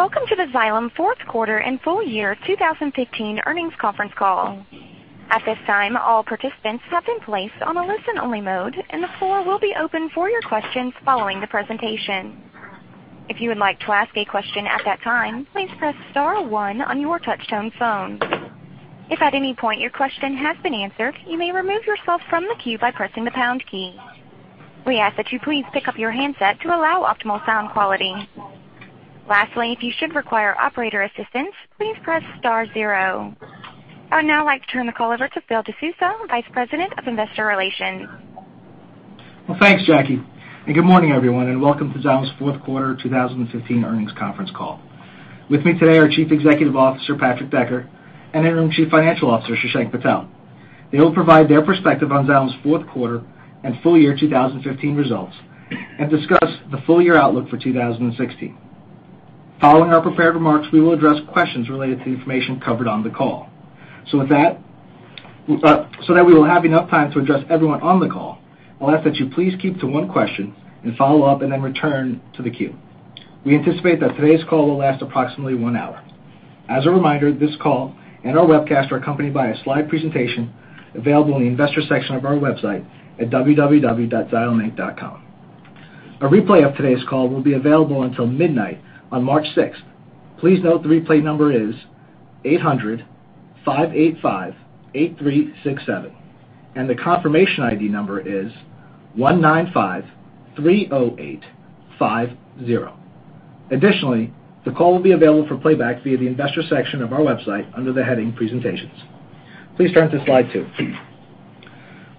Welcome to the Xylem fourth quarter and full year 2015 earnings conference call. At this time, all participants have been placed on a listen-only mode, and the floor will be open for your questions following the presentation. If you would like to ask a question at that time, please press star one on your touch-tone phone. If at any point your question has been answered, you may remove yourself from the queue by pressing the pound key. We ask that you please pick up your handset to allow optimal sound quality. Lastly, if you should require operator assistance, please press star zero. I would now like to turn the call over to Phil De Sousa, Vice President of Investor Relations. Well, thanks, Jackie, good morning, everyone, and welcome to Xylem's fourth quarter 2015 earnings conference call. With me today are Chief Executive Officer, Patrick Decker, and Interim Chief Financial Officer, Shashank Patel. They will provide their perspective on Xylem's fourth quarter and full year 2015 results and discuss the full-year outlook for 2016. With that, so that we will have enough time to address everyone on the call, I'll ask that you please keep to one question and follow up and then return to the queue. We anticipate that today's call will last approximately one hour. As a reminder, this call and our webcast are accompanied by a slide presentation available in the Investor section of our website at www.xyleminc.com. A replay of today's call will be available until midnight on March 6th. Please note the replay number is 800-585-8367, and the confirmation ID number is 19530850. Additionally, the call will be available for playback via the Investor section of our website under the heading Presentations. Please turn to slide two.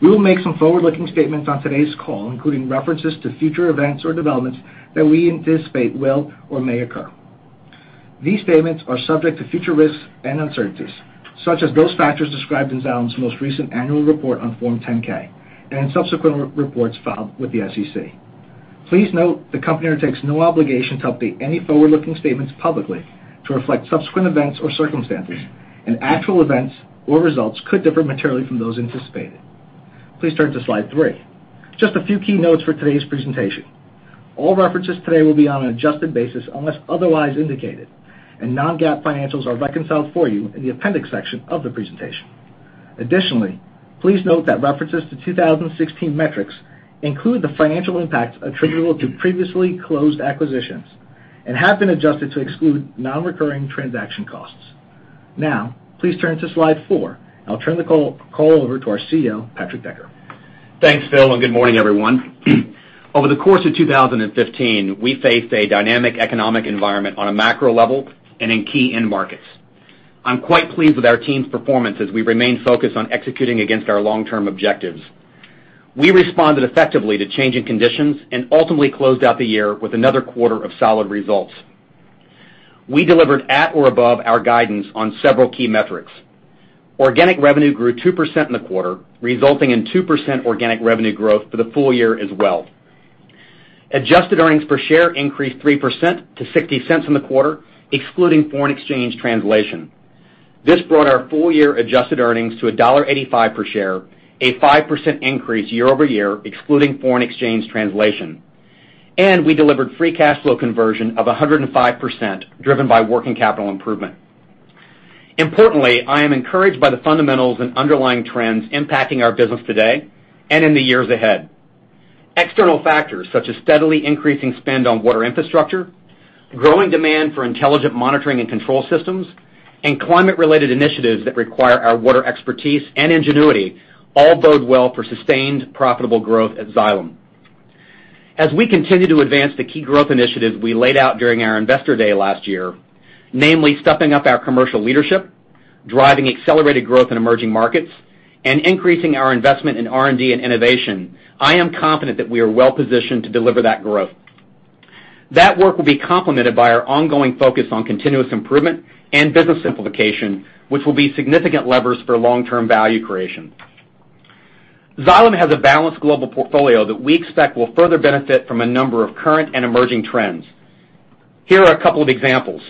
We will make some forward-looking statements on today's call, including references to future events or developments that we anticipate will or may occur. These statements are subject to future risks and uncertainties, such as those factors described in Xylem's most recent annual report on Form 10-K and in subsequent reports filed with the SEC. Please note the company undertakes no obligation to update any forward-looking statements publicly to reflect subsequent events or circumstances, actual events or results could differ materially from those anticipated. Please turn to slide three. Just a few key notes for today's presentation. All references today will be on an adjusted basis unless otherwise indicated, non-GAAP financials are reconciled for you in the appendix section of the presentation. Additionally, please note that references to 2016 metrics include the financial impacts attributable to previously closed acquisitions and have been adjusted to exclude non-recurring transaction costs. Please turn to slide four. I'll turn the call over to our CEO, Patrick Decker. Thanks, Phil, and good morning, everyone. Over the course of 2015, we faced a dynamic economic environment on a macro level and in key end markets. I'm quite pleased with our team's performance as we remain focused on executing against our long-term objectives. We responded effectively to changing conditions and ultimately closed out the year with another quarter of solid results. We delivered at or above our guidance on several key metrics. Organic revenue grew 2% in the quarter, resulting in 2% organic revenue growth for the full year as well. Adjusted earnings per share increased 3% to $0.60 in the quarter, excluding foreign exchange translation. This brought our full-year adjusted earnings to $1.85 per share, a 5% increase year-over-year, excluding foreign exchange translation. We delivered free cash flow conversion of 105%, driven by working capital improvement. Importantly, I am encouraged by the fundamentals and underlying trends impacting our business today and in the years ahead. External factors such as steadily increasing spend on Water Infrastructure, growing demand for intelligent monitoring and control systems, and climate-related initiatives that require our water expertise and ingenuity all bode well for sustained profitable growth at Xylem. As we continue to advance the key growth initiatives we laid out during our investor day last year, namely stepping up our commercial leadership, driving accelerated growth in emerging markets, and increasing our investment in R&D and innovation, I am confident that we are well-positioned to deliver that growth. That work will be complemented by our ongoing focus on continuous improvement and business simplification, which will be significant levers for long-term value creation. Xylem has a balanced global portfolio that we expect will further benefit from a number of current and emerging trends. Here are a couple of examples.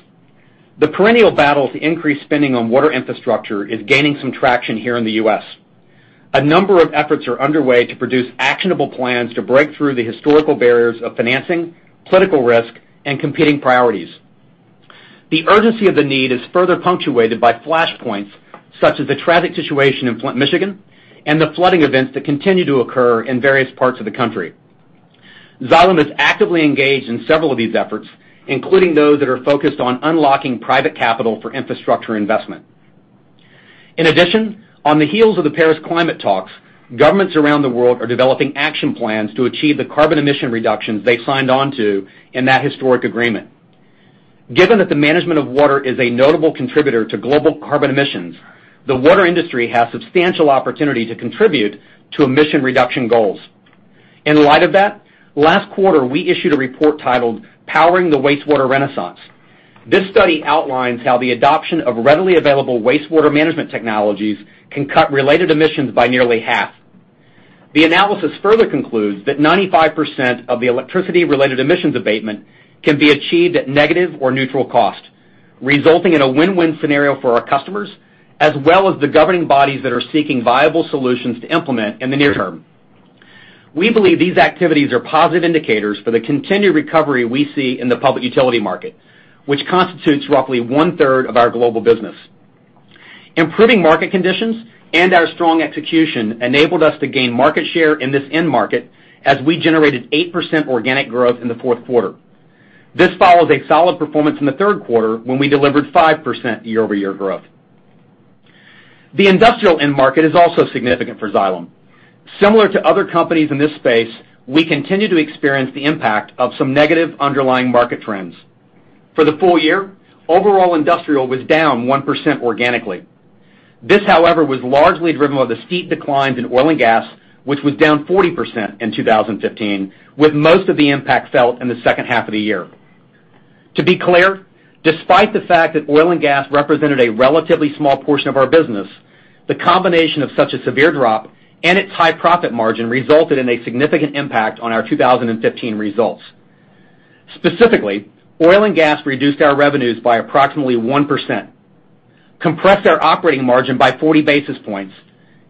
The perennial battle to increase spending on Water Infrastructure is gaining some traction here in the U.S. A number of efforts are underway to produce actionable plans to break through the historical barriers of financing, political risk, and competing priorities. The urgency of the need is further punctuated by flashpoints such as the tragic situation in Flint, Michigan, and the flooding events that continue to occur in various parts of the country. Xylem is actively engaged in several of these efforts, including those that are focused on unlocking private capital for infrastructure investment. In addition, on the heels of the Paris climate talks, governments around the world are developing action plans to achieve the carbon emission reductions they signed on to in that historic agreement. Given that the management of water is a notable contributor to global carbon emissions, the water industry has substantial opportunity to contribute to emission reduction goals. In light of that, last quarter, we issued a report titled "Powering the Wastewater Renaissance." This study outlines how the adoption of readily available wastewater management technologies can cut related emissions by nearly half. The analysis further concludes that 95% of the electricity-related emissions abatement can be achieved at negative or neutral cost, resulting in a win-win scenario for our customers, as well as the governing bodies that are seeking viable solutions to implement in the near term. We believe these activities are positive indicators for the continued recovery we see in the public utility market, which constitutes roughly one-third of our global business. Improving market conditions and our strong execution enabled us to gain market share in this end market, as we generated 8% organic growth in the fourth quarter. This follows a solid performance in the third quarter when we delivered 5% year-over-year growth. The industrial end market is also significant for Xylem. Similar to other companies in this space, we continue to experience the impact of some negative underlying market trends. For the full year, overall industrial was down 1% organically. This, however, was largely driven by the steep declines in oil and gas, which was down 40% in 2015, with most of the impact felt in the second half of the year. To be clear, despite the fact that oil and gas represented a relatively small portion of our business, the combination of such a severe drop and its high profit margin resulted in a significant impact on our 2015 results. Specifically, oil and gas reduced our revenues by approximately 1%, compressed our operating margin by 40 basis points,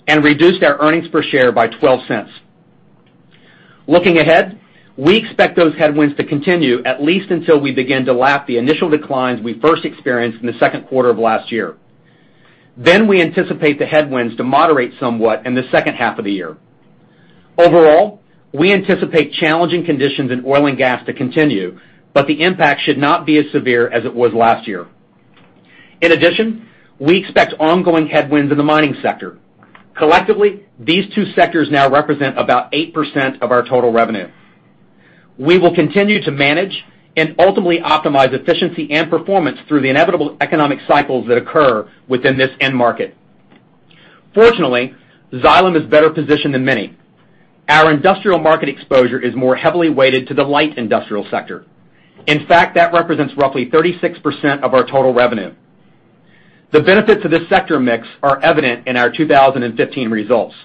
and reduced our earnings per share by $0.12. Looking ahead, we expect those headwinds to continue at least until we begin to lap the initial declines we first experienced in the second quarter of last year. We anticipate the headwinds to moderate somewhat in the second half of the year. Overall, we anticipate challenging conditions in oil and gas to continue, the impact should not be as severe as it was last year. In addition, we expect ongoing headwinds in the mining sector. Collectively, these two sectors now represent about 8% of our total revenue. We will continue to manage and ultimately optimize efficiency and performance through the inevitable economic cycles that occur within this end market. Fortunately, Xylem is better positioned than many. Our industrial market exposure is more heavily weighted to the light industrial sector. In fact, that represents roughly 36% of our total revenue. The benefits of this sector mix are evident in our 2015 results.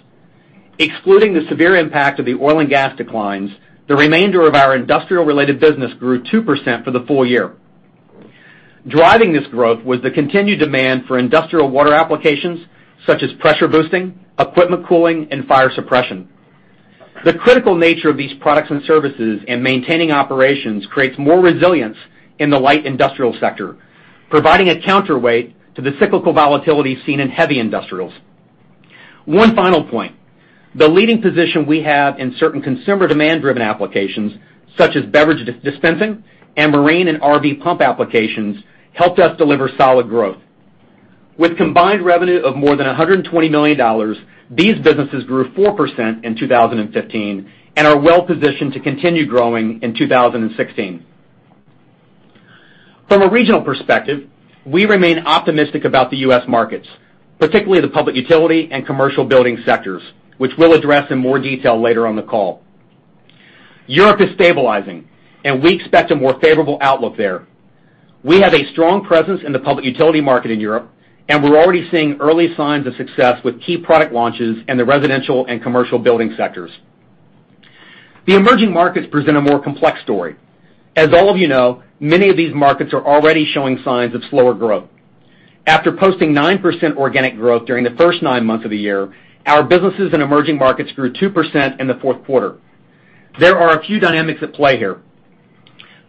Excluding the severe impact of the oil and gas declines, the remainder of our industrial-related business grew 2% for the full year. Driving this growth was the continued demand for industrial water applications such as pressure boosting, equipment cooling, and fire suppression. The critical nature of these products and services in maintaining operations creates more resilience in the light industrial sector, providing a counterweight to the cyclical volatility seen in heavy industrials. One final point. The leading position we have in certain consumer demand-driven applications, such as beverage dispensing and marine and RV pump applications, helped us deliver solid growth. With combined revenue of more than $120 million, these businesses grew 4% in 2015 and are well positioned to continue growing in 2016. From a regional perspective, we remain optimistic about the U.S. markets, particularly the public utility and commercial building sectors, which we'll address in more detail later on the call. Europe is stabilizing, we expect a more favorable outlook there. We have a strong presence in the public utility market in Europe, we're already seeing early signs of success with key product launches in the residential and commercial building sectors. The emerging markets present a more complex story. As all of you know, many of these markets are already showing signs of slower growth. After posting 9% organic growth during the first nine months of the year, our businesses in emerging markets grew 2% in the fourth quarter. There are a few dynamics at play here.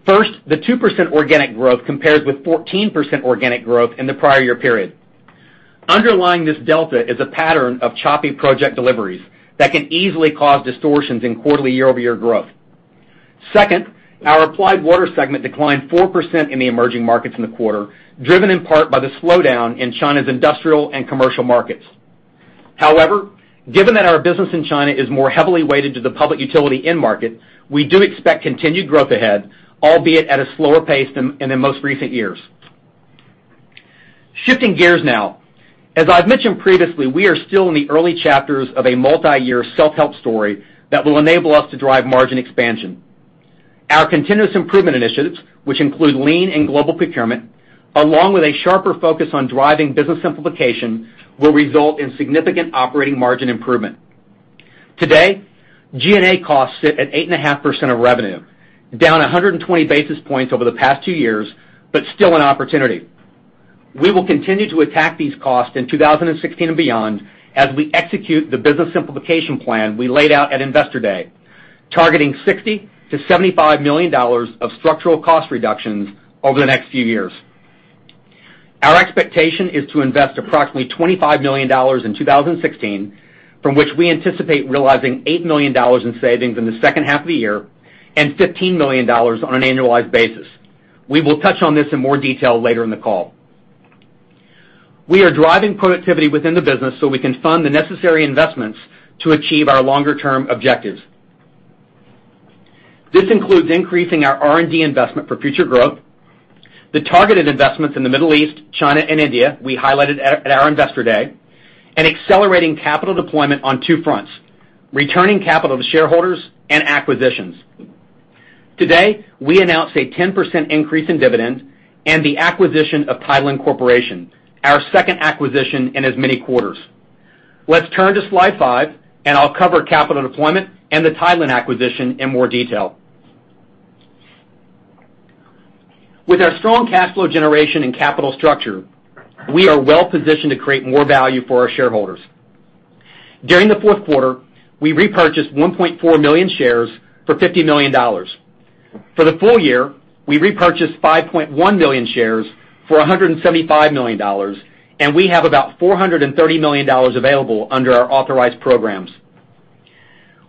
First, the 2% organic growth compares with 14% organic growth in the prior year period. Underlying this delta is a pattern of choppy project deliveries that can easily cause distortions in quarterly year-over-year growth. Second, our Applied Water segment declined 4% in the emerging markets in the quarter, driven in part by the slowdown in China's industrial and commercial markets. However, given that our business in China is more heavily weighted to the public utility end market, we do expect continued growth ahead, albeit at a slower pace than in the most recent years. Shifting gears now. As I've mentioned previously, we are still in the early chapters of a multi-year self-help story that will enable us to drive margin expansion. Our continuous improvement initiatives, which include lean and global procurement, along with a sharper focus on driving business simplification, will result in significant operating margin improvement. Today, G&A costs sit at 8.5% of revenue, down 120 basis points over the past two years, but still an opportunity. We will continue to attack these costs in 2016 and beyond as we execute the business simplification plan we laid out at Investor Day, targeting $60 million-$75 million of structural cost reductions over the next few years. Our expectation is to invest approximately $25 million in 2016, from which we anticipate realizing $8 million in savings in the second half of the year and $15 million on an annualized basis. We will touch on this in more detail later in the call. We are driving productivity within the business so we can fund the necessary investments to achieve our longer-term objectives. This includes increasing our R&D investment for future growth, the targeted investments in the Middle East, China, and India we highlighted at our Investor Day, and accelerating capital deployment on two fronts, returning capital to shareholders and acquisitions. Today, we announced a 10% increase in dividend and the acquisition of Tideland Corporation, our second acquisition in as many quarters. Let's turn to slide five, and I'll cover capital deployment and the Tideland acquisition in more detail. With our strong cash flow generation and capital structure, we are well-positioned to create more value for our shareholders. During the fourth quarter, we repurchased 1.4 million shares for $50 million. For the full year, we repurchased 5.1 million shares for $175 million, and we have about $430 million available under our authorized programs.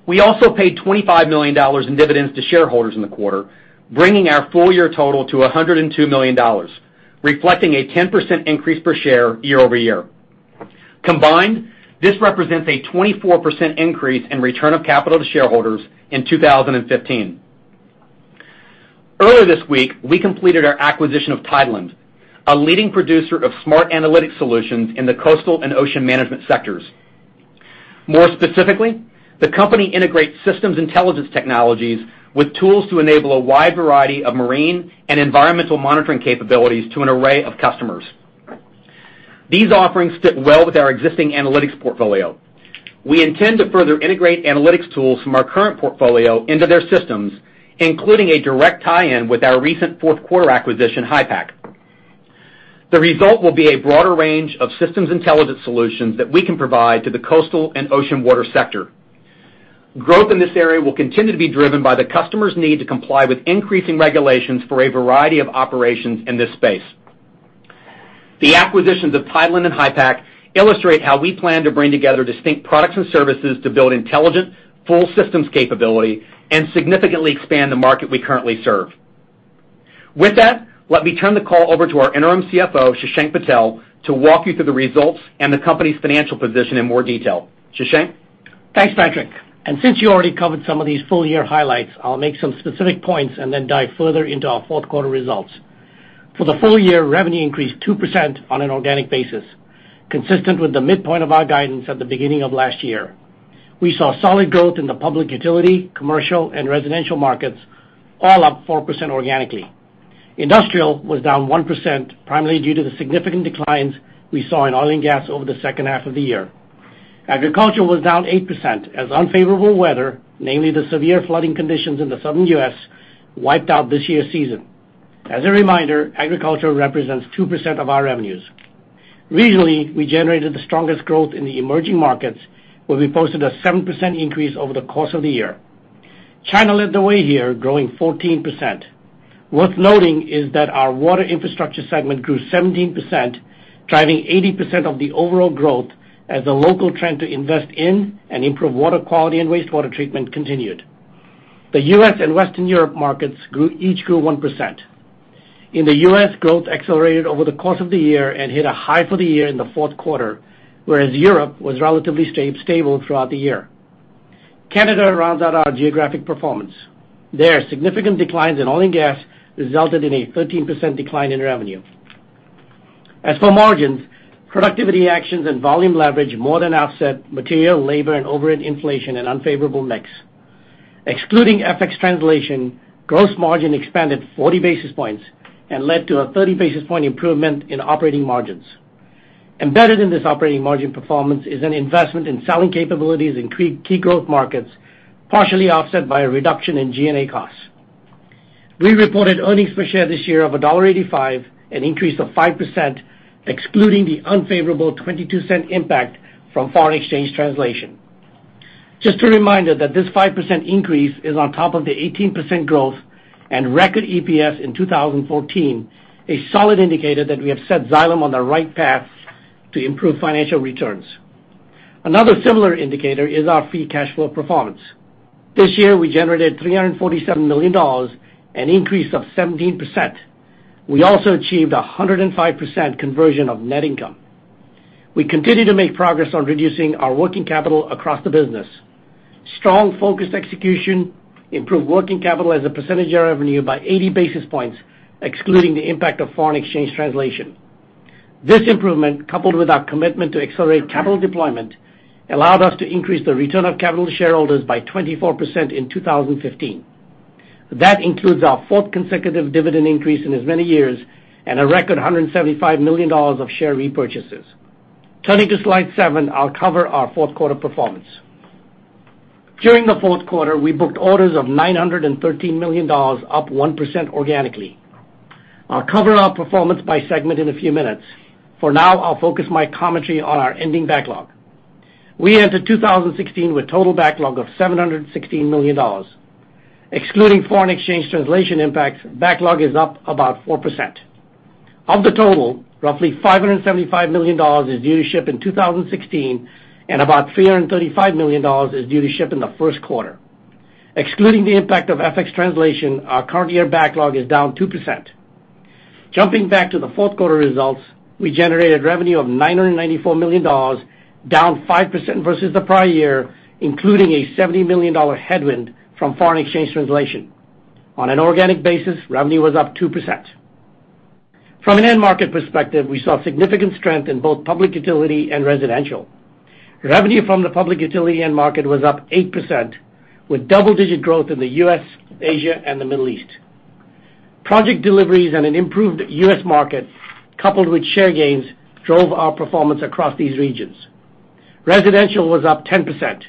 We also paid $25 million in dividends to shareholders in the quarter, bringing our full year total to $102 million, reflecting a 10% increase per share year over year. Combined, this represents a 24% increase in return of capital to shareholders in 2015. Earlier this week, we completed our acquisition of Tideland, a leading producer of smart analytic solutions in the coastal and ocean management sectors. More specifically, the company integrates systems intelligence technologies with tools to enable a wide variety of marine and environmental monitoring capabilities to an array of customers. These offerings fit well with our existing analytics portfolio. We intend to further integrate analytics tools from our current portfolio into their systems, including a direct tie-in with our recent fourth quarter acquisition, HYPACK. The result will be a broader range of systems intelligence solutions that we can provide to the coastal and ocean water sector. Growth in this area will continue to be driven by the customer's need to comply with increasing regulations for a variety of operations in this space. The acquisitions of Tideland and HYPACK illustrate how we plan to bring together distinct products and services to build intelligent, full systems capability and significantly expand the market we currently serve. With that, let me turn the call over to our interim CFO, Shashank Patel, to walk you through the results and the company's financial position in more detail. Shashank? Thanks, Patrick. Since you already covered some of these full year highlights, I'll make some specific points and then dive further into our fourth quarter results. For the full year, revenue increased 2% on an organic basis, consistent with the midpoint of our guidance at the beginning of last year. We saw solid growth in the public utility, commercial, and residential markets, all up 4% organically. Industrial was down 1%, primarily due to the significant declines we saw in oil and gas over the second half of the year. Agriculture was down 8% as unfavorable weather, namely the severe flooding conditions in the Southern U.S., wiped out this year's season. As a reminder, agriculture represents 2% of our revenues. Regionally, we generated the strongest growth in the emerging markets, where we posted a 7% increase over the course of the year. China led the way here, growing 14%. Worth noting is that our Water Infrastructure segment grew 17%, driving 80% of the overall growth as a local trend to invest in and improve water quality and wastewater treatment continued. The U.S. and Western Europe markets each grew 1%. In the U.S., growth accelerated over the course of the year and hit a high for the year in the fourth quarter, whereas Europe was relatively stable throughout the year. Canada rounds out our geographic performance. There, significant declines in oil and gas resulted in a 13% decline in revenue. As for margins, productivity actions and volume leverage more than offset material, labor and overhead inflation and unfavorable mix. Excluding FX translation, gross margin expanded 40 basis points and led to a 30 basis point improvement in operating margins. Embedded in this operating margin performance is an investment in selling capabilities in key growth markets, partially offset by a reduction in G&A costs. We reported earnings per share this year of $1.85, an increase of 5%, excluding the unfavorable $0.22 impact from foreign exchange translation. Just a reminder that this 5% increase is on top of the 18% growth and record EPS in 2014, a solid indicator that we have set Xylem on the right path to improve financial returns. Another similar indicator is our free cash flow performance. This year, we generated $347 million, an increase of 17%. We also achieved 105% conversion of net income. We continue to make progress on reducing our working capital across the business. Strong, focused execution improved working capital as a percentage of revenue by 80 basis points, excluding the impact of foreign exchange translation. This improvement, coupled with our commitment to accelerate capital deployment, allowed us to increase the return of capital to shareholders by 24% in 2015. That includes our fourth consecutive dividend increase in as many years and a record $175 million of share repurchases. Turning to slide seven, I'll cover our fourth quarter performance. During the fourth quarter, we booked orders of $913 million, up 1% organically. I'll cover our performance by segment in a few minutes. For now, I'll focus my commentary on our ending backlog. We enter 2016 with total backlog of $716 million. Excluding foreign exchange translation impacts, backlog is up about 4%. Of the total, roughly $575 million is due to ship in 2016, and about $335 million is due to ship in the first quarter. Excluding the impact of FX translation, our current year backlog is down 2%. Jumping back to the fourth quarter results, we generated revenue of $994 million, down 5% versus the prior year, including a $70 million headwind from foreign exchange translation. On an organic basis, revenue was up 2%. From an end market perspective, we saw significant strength in both public utility and residential. Revenue from the public utility end market was up 8%, with double-digit growth in the U.S., Asia, and the Middle East. Project deliveries and an improved U.S. market, coupled with share gains, drove our performance across these regions. Residential was up 10%,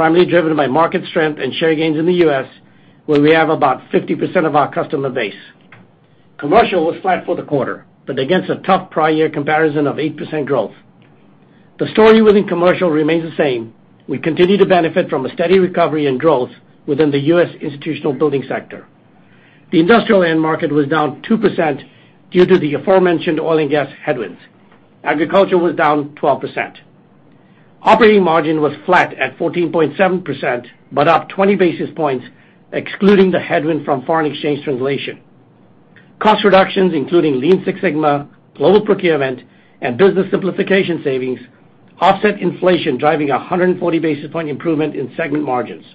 primarily driven by market strength and share gains in the U.S., where we have about 50% of our customer base. Commercial was flat for the quarter, but against a tough prior year comparison of 8% growth. The story within commercial remains the same. We continue to benefit from a steady recovery in growth within the U.S. institutional building sector. The industrial end market was down 2% due to the aforementioned oil and gas headwinds. Agriculture was down 12%. Operating margin was flat at 14.7%, but up 20 basis points, excluding the headwind from foreign exchange translation. Cost reductions, including Lean Six Sigma, global procurement, and business simplification savings, offset inflation, driving 140 basis point improvement in segment margins.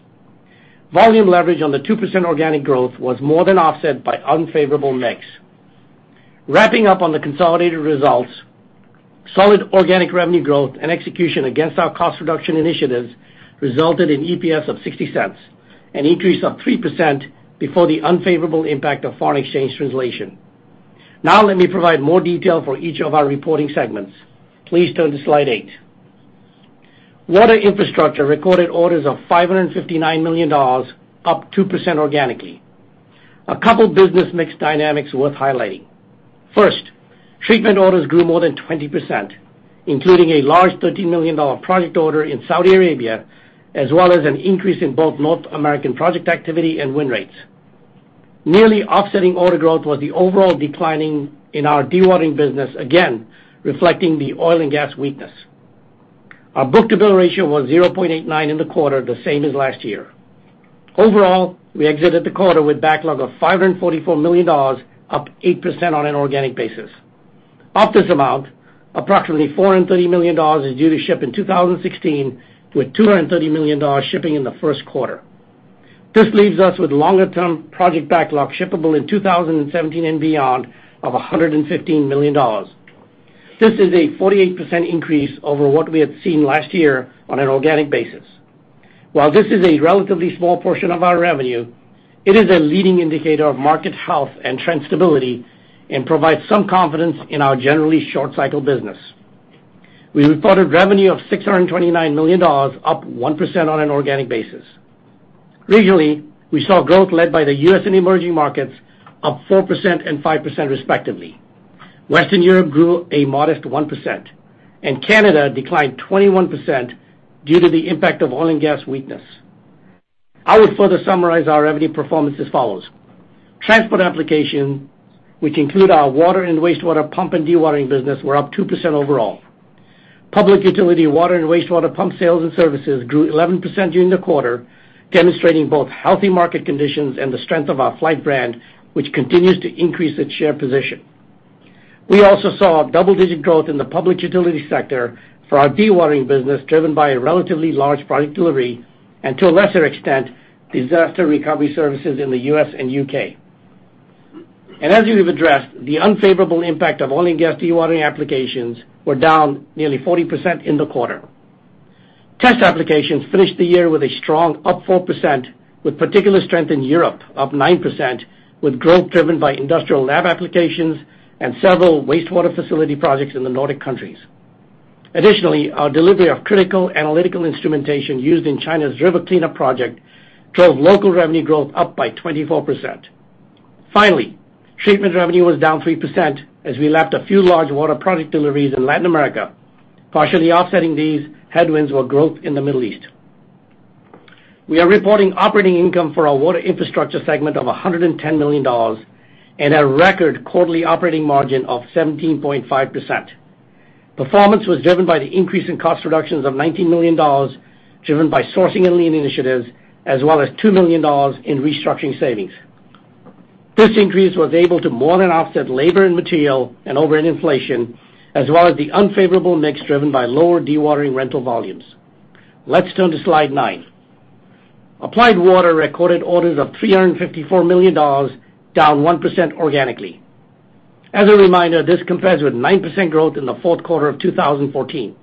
Volume leverage on the 2% organic growth was more than offset by unfavorable mix. Wrapping up on the consolidated results, solid organic revenue growth and execution against our cost reduction initiatives resulted in EPS of $0.60, an increase of 3% before the unfavorable impact of foreign exchange translation. Now let me provide more detail for each of our reporting segments. Please turn to slide eight. Water Infrastructure recorded orders of $559 million, up 2% organically. A couple business mix dynamics worth highlighting. First, treatment orders grew more than 20%, including a large $13 million project order in Saudi Arabia, as well as an increase in both North American project activity and win rates. Nearly offsetting order growth was the overall declining in our dewatering business, again, reflecting the oil and gas weakness. Our book-to-bill ratio was 0.89 in the quarter, the same as last year. Overall, we exited the quarter with backlog of $544 million, up 8% on an organic basis. Of this amount, approximately $430 million is due to ship in 2016, with $230 million shipping in the first quarter. This leaves us with longer-term project backlog shippable in 2017 and beyond of $115 million. This is a 48% increase over what we had seen last year on an organic basis. While this is a relatively small portion of our revenue, it is a leading indicator of market health and trend stability and provides some confidence in our generally short cycle business. We reported revenue of $629 million, up 1% on an organic basis. Regionally, we saw growth led by the U.S. and emerging markets, up 4% and 5% respectively. Western Europe grew a modest 1%, and Canada declined 21% due to the impact of oil and gas weakness. I would further summarize our revenue performance as follows. Transport application, which include our water and wastewater pump and dewatering business, were up 2% overall. Public utility water and wastewater pump sales and services grew 11% during the quarter, demonstrating both healthy market conditions and the strength of our Flygt brand, which continues to increase its share position. We also saw double-digit growth in the public utility sector for our dewatering business, driven by a relatively large product delivery, and to a lesser extent, disaster recovery services in the U.S. and U.K. As we've addressed, the unfavorable impact of oil and gas dewatering applications were down nearly 40% in the quarter. Test applications finished the year with a strong up 4%, with particular strength in Europe, up 9%, with growth driven by industrial lab applications and several wastewater facility projects in the Nordic countries. Our delivery of critical analytical instrumentation used in China's river cleanup project drove local revenue growth up by 24%. Treatment revenue was down 3% as we lapped a few large water project deliveries in Latin America. Partially offsetting these headwinds were growth in the Middle East. We are reporting operating income for our Water Infrastructure segment of $110 million and a record quarterly operating margin of 17.5%. Performance was driven by the increase in cost reductions of $19 million, driven by sourcing and Lean initiatives, as well as $2 million in restructuring savings. This increase was able to more than offset labor and material and overhead inflation, as well as the unfavorable mix driven by lower dewatering rental volumes. Let's turn to slide nine. Applied Water recorded orders of $354 million, down 1% organically. As a reminder, this compares with 9% growth in the fourth quarter of 2014.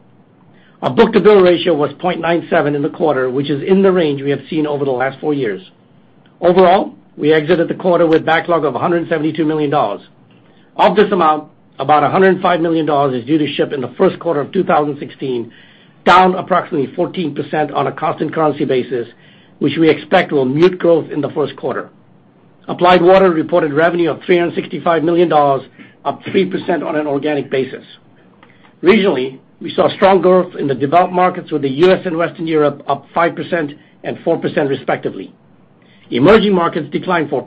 Our book-to-bill ratio was 0.97 in the quarter, which is in the range we have seen over the last four years. Overall, we exited the quarter with backlog of $172 million. Of this amount, about $105 million is due to ship in the first quarter of 2016, down approximately 14% on a constant currency basis, which we expect will mute growth in the first quarter. Applied Water reported revenue of $365 million, up 3% on an organic basis. Regionally, we saw strong growth in the developed markets with the U.S. and Western Europe up 5% and 4%, respectively. Emerging markets declined 4%.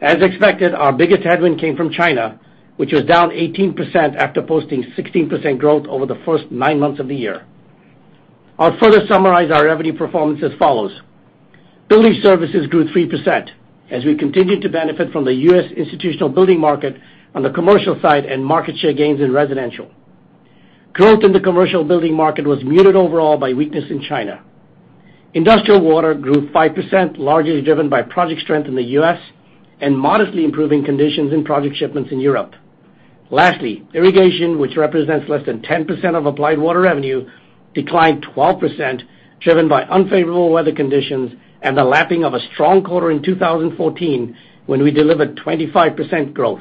As expected, our biggest headwind came from China, which was down 18% after posting 16% growth over the first nine months of the year. I'll further summarize our revenue performance as follows. Building services grew 3% as we continued to benefit from the U.S. institutional building market on the commercial side and market share gains in residential. Growth in the commercial building market was muted overall by weakness in China. Industrial water grew 5%, largely driven by project strength in the U.S. and modestly improving conditions in project shipments in Europe. Lastly, irrigation, which represents less than 10% of Applied Water revenue, declined 12%, driven by unfavorable weather conditions and the lapping of a strong quarter in 2014, when we delivered 25% growth.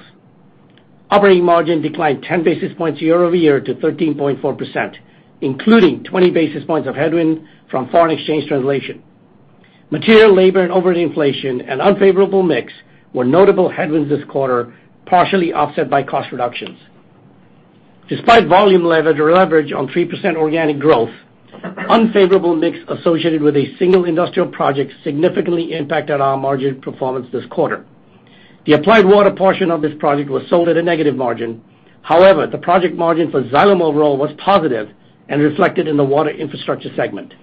Operating margin declined 10 basis points year-over-year to 13.4%, including 20 basis points of headwind from foreign exchange translation. Material labor and overhead inflation and unfavorable mix were notable headwinds this quarter, partially offset by cost reductions. Despite volume leverage on 3% organic growth, unfavorable mix associated with a single industrial project significantly impacted our margin performance this quarter. The Applied Water portion of this project was sold at a negative margin. However, the project margin for Xylem overall was positive and reflected in the Water Infrastructure segment.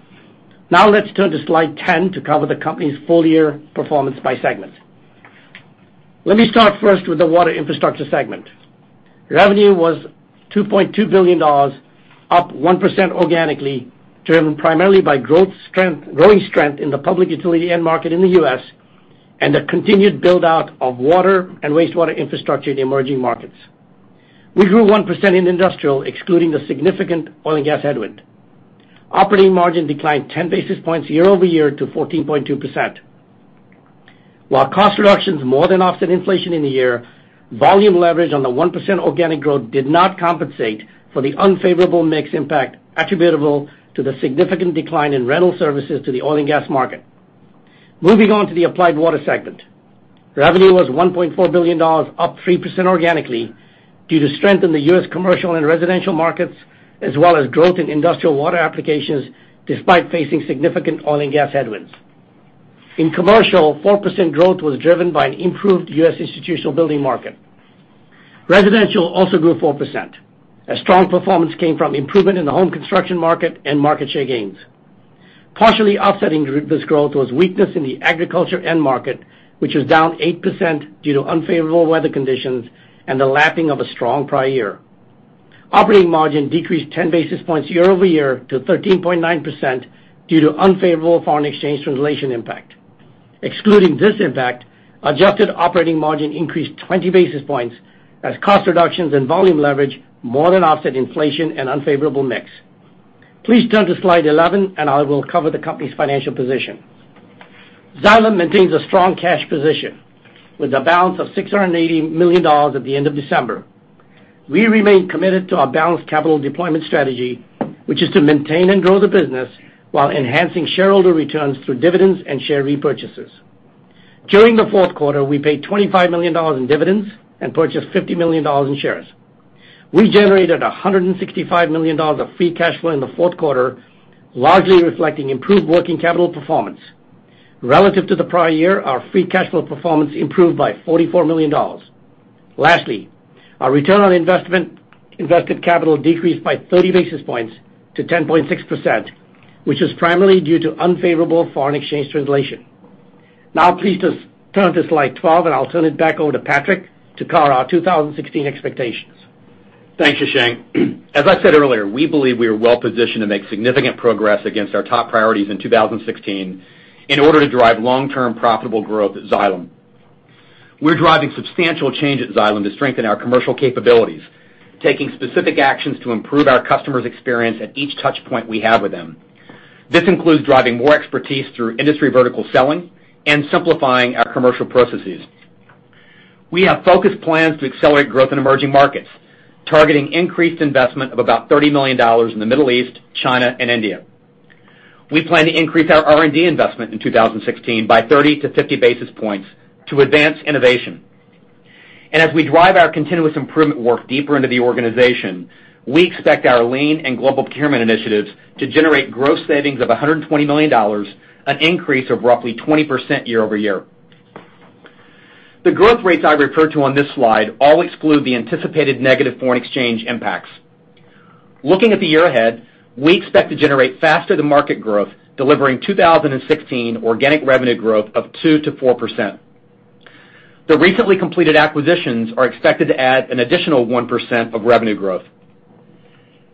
Let's turn to slide 10 to cover the company's full year performance by segment. Let me start first with the Water Infrastructure segment. Revenue was $2.2 billion, up 1% organically, driven primarily by growing strength in the public utility end market in the U.S., and the continued build-out of water and wastewater infrastructure in emerging markets. We grew 1% in industrial, excluding the significant oil and gas headwind. Operating margin declined 10 basis points year-over-year to 14.2%. While cost reductions more than offset inflation in the year, volume leverage on the 1% organic growth did not compensate for the unfavorable mix impact attributable to the significant decline in rental services to the oil and gas market. Moving on to the Applied Water segment. Revenue was $1.4 billion, up 3% organically due to strength in the U.S. commercial and residential markets, as well as growth in industrial water applications, despite facing significant oil and gas headwinds. In commercial, 4% growth was driven by an improved U.S. institutional building market. Residential also grew 4%. A strong performance came from improvement in the home construction market and market share gains. Partially offsetting this growth was weakness in the agriculture end market, which was down 8% due to unfavorable weather conditions and the lapping of a strong prior year. Operating margin decreased 10 basis points year-over-year to 13.9% due to unfavorable foreign exchange translation impact. Excluding this impact, adjusted operating margin increased 20 basis points as cost reductions and volume leverage more than offset inflation and unfavorable mix. Please turn to slide 11 and I will cover the company's financial position. Xylem maintains a strong cash position with a balance of $680 million at the end of December. We remain committed to our balanced capital deployment strategy, which is to maintain and grow the business while enhancing shareholder returns through dividends and share repurchases. During the fourth quarter, we paid $25 million in dividends and purchased $50 million in shares. We generated $165 million of free cash flow in the fourth quarter, largely reflecting improved working capital performance. Relative to the prior year, our free cash flow performance improved by $44 million. Lastly, our return on invested capital decreased by 30 basis points to 10.6%, which is primarily due to unfavorable foreign exchange translation. Please turn to slide 12 and I'll turn it back over to Patrick to cover our 2016 expectations. Thanks, Shashank. As I said earlier, we believe we are well-positioned to make significant progress against our top priorities in 2016 in order to drive long-term profitable growth at Xylem. We're driving substantial change at Xylem to strengthen our commercial capabilities, taking specific actions to improve our customers' experience at each touch point we have with them. This includes driving more expertise through industry vertical selling and simplifying our commercial processes. We have focused plans to accelerate growth in emerging markets, targeting increased investment of about $30 million in the Middle East, China and India. We plan to increase our R&D investment in 2016 by 30 to 50 basis points to advance innovation. As we drive our continuous improvement work deeper into the organization, we expect our lean and global procurement initiatives to generate gross savings of $120 million, an increase of roughly 20% year-over-year. The growth rates I refer to on this slide all exclude the anticipated negative foreign exchange impacts. Looking at the year ahead, we expect to generate faster-than-market growth, delivering 2016 organic revenue growth of 2%-4%. The recently completed acquisitions are expected to add an additional 1% of revenue growth.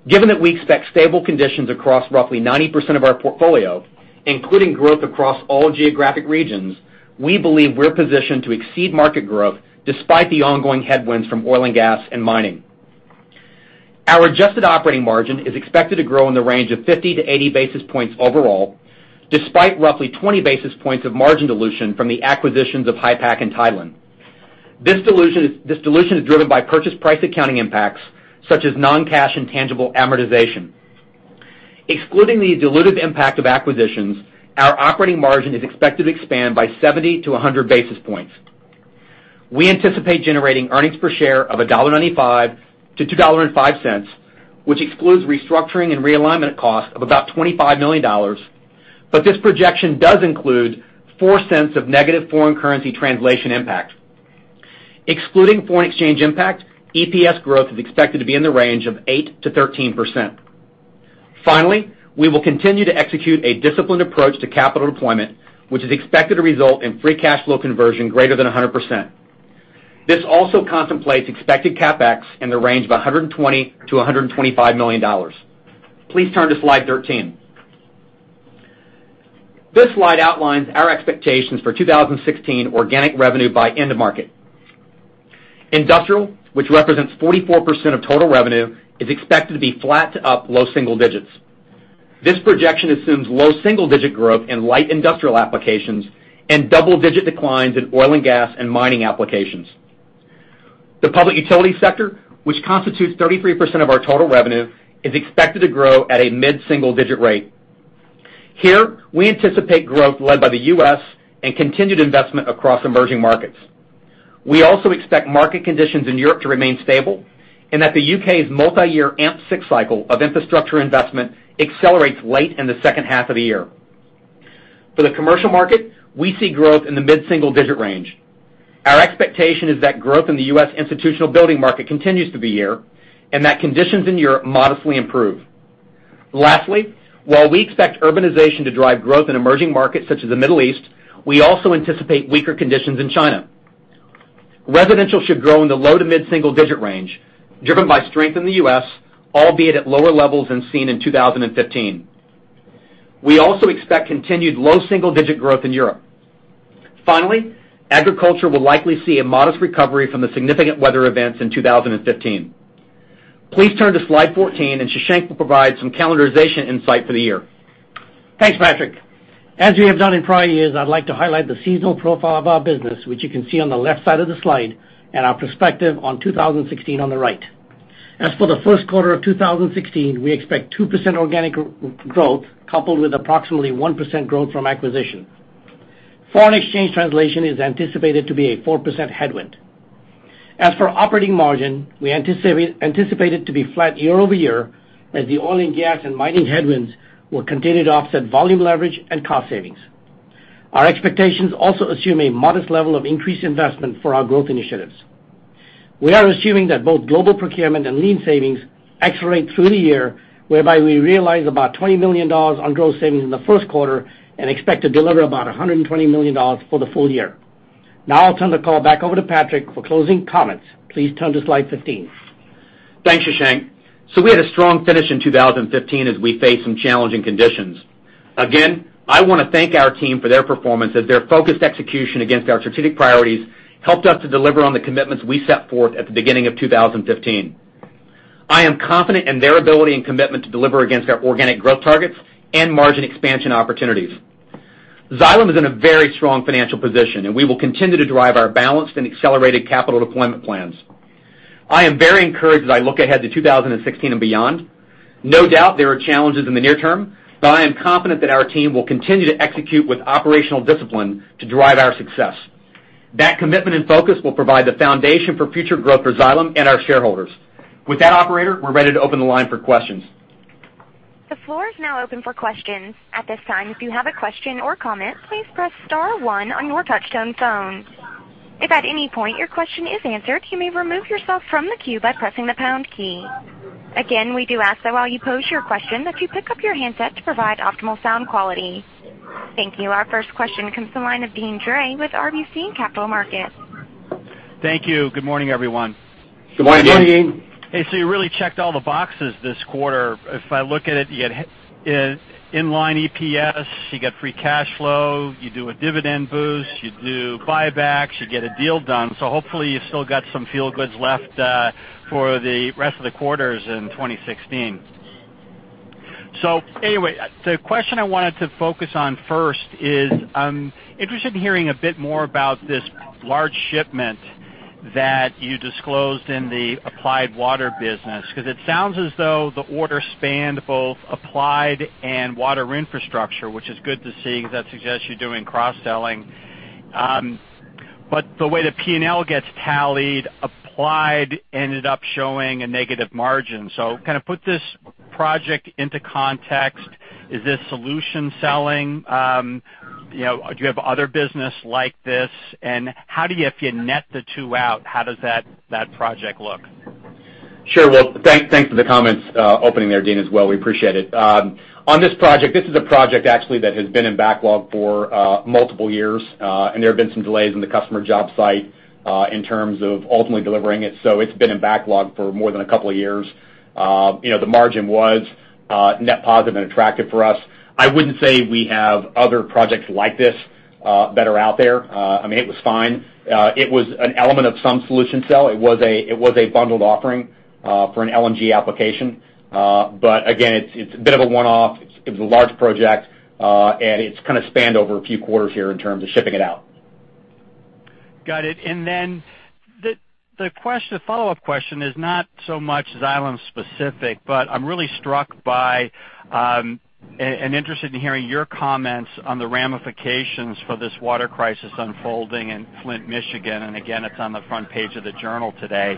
Given that we expect stable conditions across roughly 90% of our portfolio, including growth across all geographic regions, we believe we're positioned to exceed market growth despite the ongoing headwinds from oil and gas and mining. Our adjusted operating margin is expected to grow in the range of 50 to 80 basis points overall, despite roughly 20 basis points of margin dilution from the acquisitions of HYPACK and Tideland. This dilution is driven by purchase price accounting impacts, such as non-cash intangible amortization. Excluding the dilutive impact of acquisitions, our operating margin is expected to expand by 70 to 100 basis points. We anticipate generating earnings per share of $1.95-$2.05, which excludes restructuring and realignment costs of about $25 million. This projection does include $0.04 of negative foreign currency translation impact. Excluding foreign exchange impact, EPS growth is expected to be in the range of 8%-13%. Finally, we will continue to execute a disciplined approach to capital deployment, which is expected to result in free cash flow conversion greater than 100%. This also contemplates expected CapEx in the range of $120 million-$125 million. Please turn to slide 13. This slide outlines our expectations for 2016 organic revenue by end market. Industrial, which represents 44% of total revenue, is expected to be flat to up low single digits. This projection assumes low single-digit growth in light industrial applications and double-digit declines in oil and gas and mining applications. The public utility sector, which constitutes 33% of our total revenue, is expected to grow at a mid-single digit rate. Here, we anticipate growth led by the U.S. and continued investment across emerging markets. We also expect market conditions in Europe to remain stable, and that the U.K.'s multi-year AMP6 cycle of infrastructure investment accelerates late in the second half of the year. For the commercial market, we see growth in the mid-single digit range. Our expectation is that growth in the U.S. institutional building market continues to be here, and that conditions in Europe modestly improve. Lastly, while we expect urbanization to drive growth in emerging markets such as the Middle East, we also anticipate weaker conditions in China. Residential should grow in the low to mid-single digit range, driven by strength in the U.S., albeit at lower levels than seen in 2015. We also expect continued low single-digit growth in Europe. Finally, agriculture will likely see a modest recovery from the significant weather events in 2015. Please turn to slide 14 and Shashank will provide some calendarization insight for the year. Thanks, Patrick. As we have done in prior years, I'd like to highlight the seasonal profile of our business, which you can see on the left side of the slide, and our perspective on 2016 on the right. As for the first quarter of 2016, we expect 2% organic growth coupled with approximately 1% growth from acquisition. Foreign exchange translation is anticipated to be a 4% headwind. As for operating margin, we anticipate it to be flat year-over-year as the oil and gas and mining headwinds will continue to offset volume leverage and cost savings. Our expectations also assume a modest level of increased investment for our growth initiatives. We are assuming that both global procurement and Lean savings accelerate through the year, whereby we realize about $20 million on growth savings in the first quarter and expect to deliver about $120 million for the full year. I'll turn the call back over to Patrick for closing comments. Please turn to slide 15. Thanks, Shashank. We had a strong finish in 2015 as we faced some challenging conditions. Again, I want to thank our team for their performance as their focused execution against our strategic priorities helped us to deliver on the commitments we set forth at the beginning of 2015. I am confident in their ability and commitment to deliver against our organic growth targets and margin expansion opportunities. Xylem is in a very strong financial position, and we will continue to drive our balanced and accelerated capital deployment plans. I am very encouraged as I look ahead to 2016 and beyond. No doubt there are challenges in the near term, but I am confident that our team will continue to execute with operational discipline to drive our success. That commitment and focus will provide the foundation for future growth for Xylem and our shareholders. With that, operator, we're ready to open the line for questions. The floor is now open for questions. At this time, if you have a question or comment, please press *1 on your touchtone phone. If at any point your question is answered, you may remove yourself from the queue by pressing the # key. Again, we do ask that while you pose your question, that you pick up your handset to provide optimal sound quality. Thank you. Our first question comes from the line of Deane Dray with RBC Capital Markets. Thank you. Good morning, everyone. Good morning. Good morning. Hey, you really checked all the boxes this quarter. If I look at it, you had inline EPS, you get free cash flow, you do a dividend boost, you do buybacks, you get a deal done. Hopefully you've still got some feel goods left for the rest of the quarters in 2016. The question I wanted to focus on first is, I'm interested in hearing a bit more about this large shipment that you disclosed in the Applied Water business, because it sounds as though the order spanned both Applied and Water Infrastructure, which is good to see, because that suggests you're doing cross-selling. The way the P&L gets tallied, Applied ended up showing a negative margin. Kind of put this project into context. Is this solution selling? Do you have other business like this, and if you net the two out, how does that project look? Sure. Well, thanks for the comments opening there, Deane, as well. We appreciate it. On this project, this is a project actually that has been in backlog for multiple years, and there have been some delays in the customer job site, in terms of ultimately delivering it. It's been in backlog for more than a couple of years. The margin was net positive and attractive for us. I wouldn't say we have other projects like this that are out there. I mean, it was fine. It was an element of some solution sell. It was a bundled offering for an LNG application. Again, it's a bit of a one-off. It was a large project. It's kind of spanned over a few quarters here in terms of shipping it out. Got it. Then the follow-up question is not so much Xylem specific, but I'm really struck by, and interested in hearing your comments on the ramifications for this water crisis unfolding in Flint, Michigan. Again, it's on the front page of The Journal today.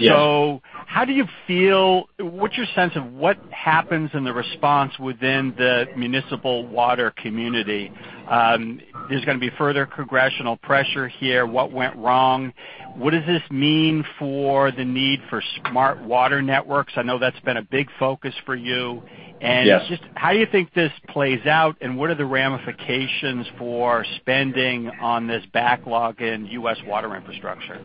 Yes. How do you feel, what's your sense of what happens in the response within the municipal water community? There's going to be further congressional pressure here. What went wrong? What does this mean for the need for smart water networks? I know that's been a big focus for you. Yes. Just how do you think this plays out, and what are the ramifications for spending on this backlog in U.S. water infrastructure?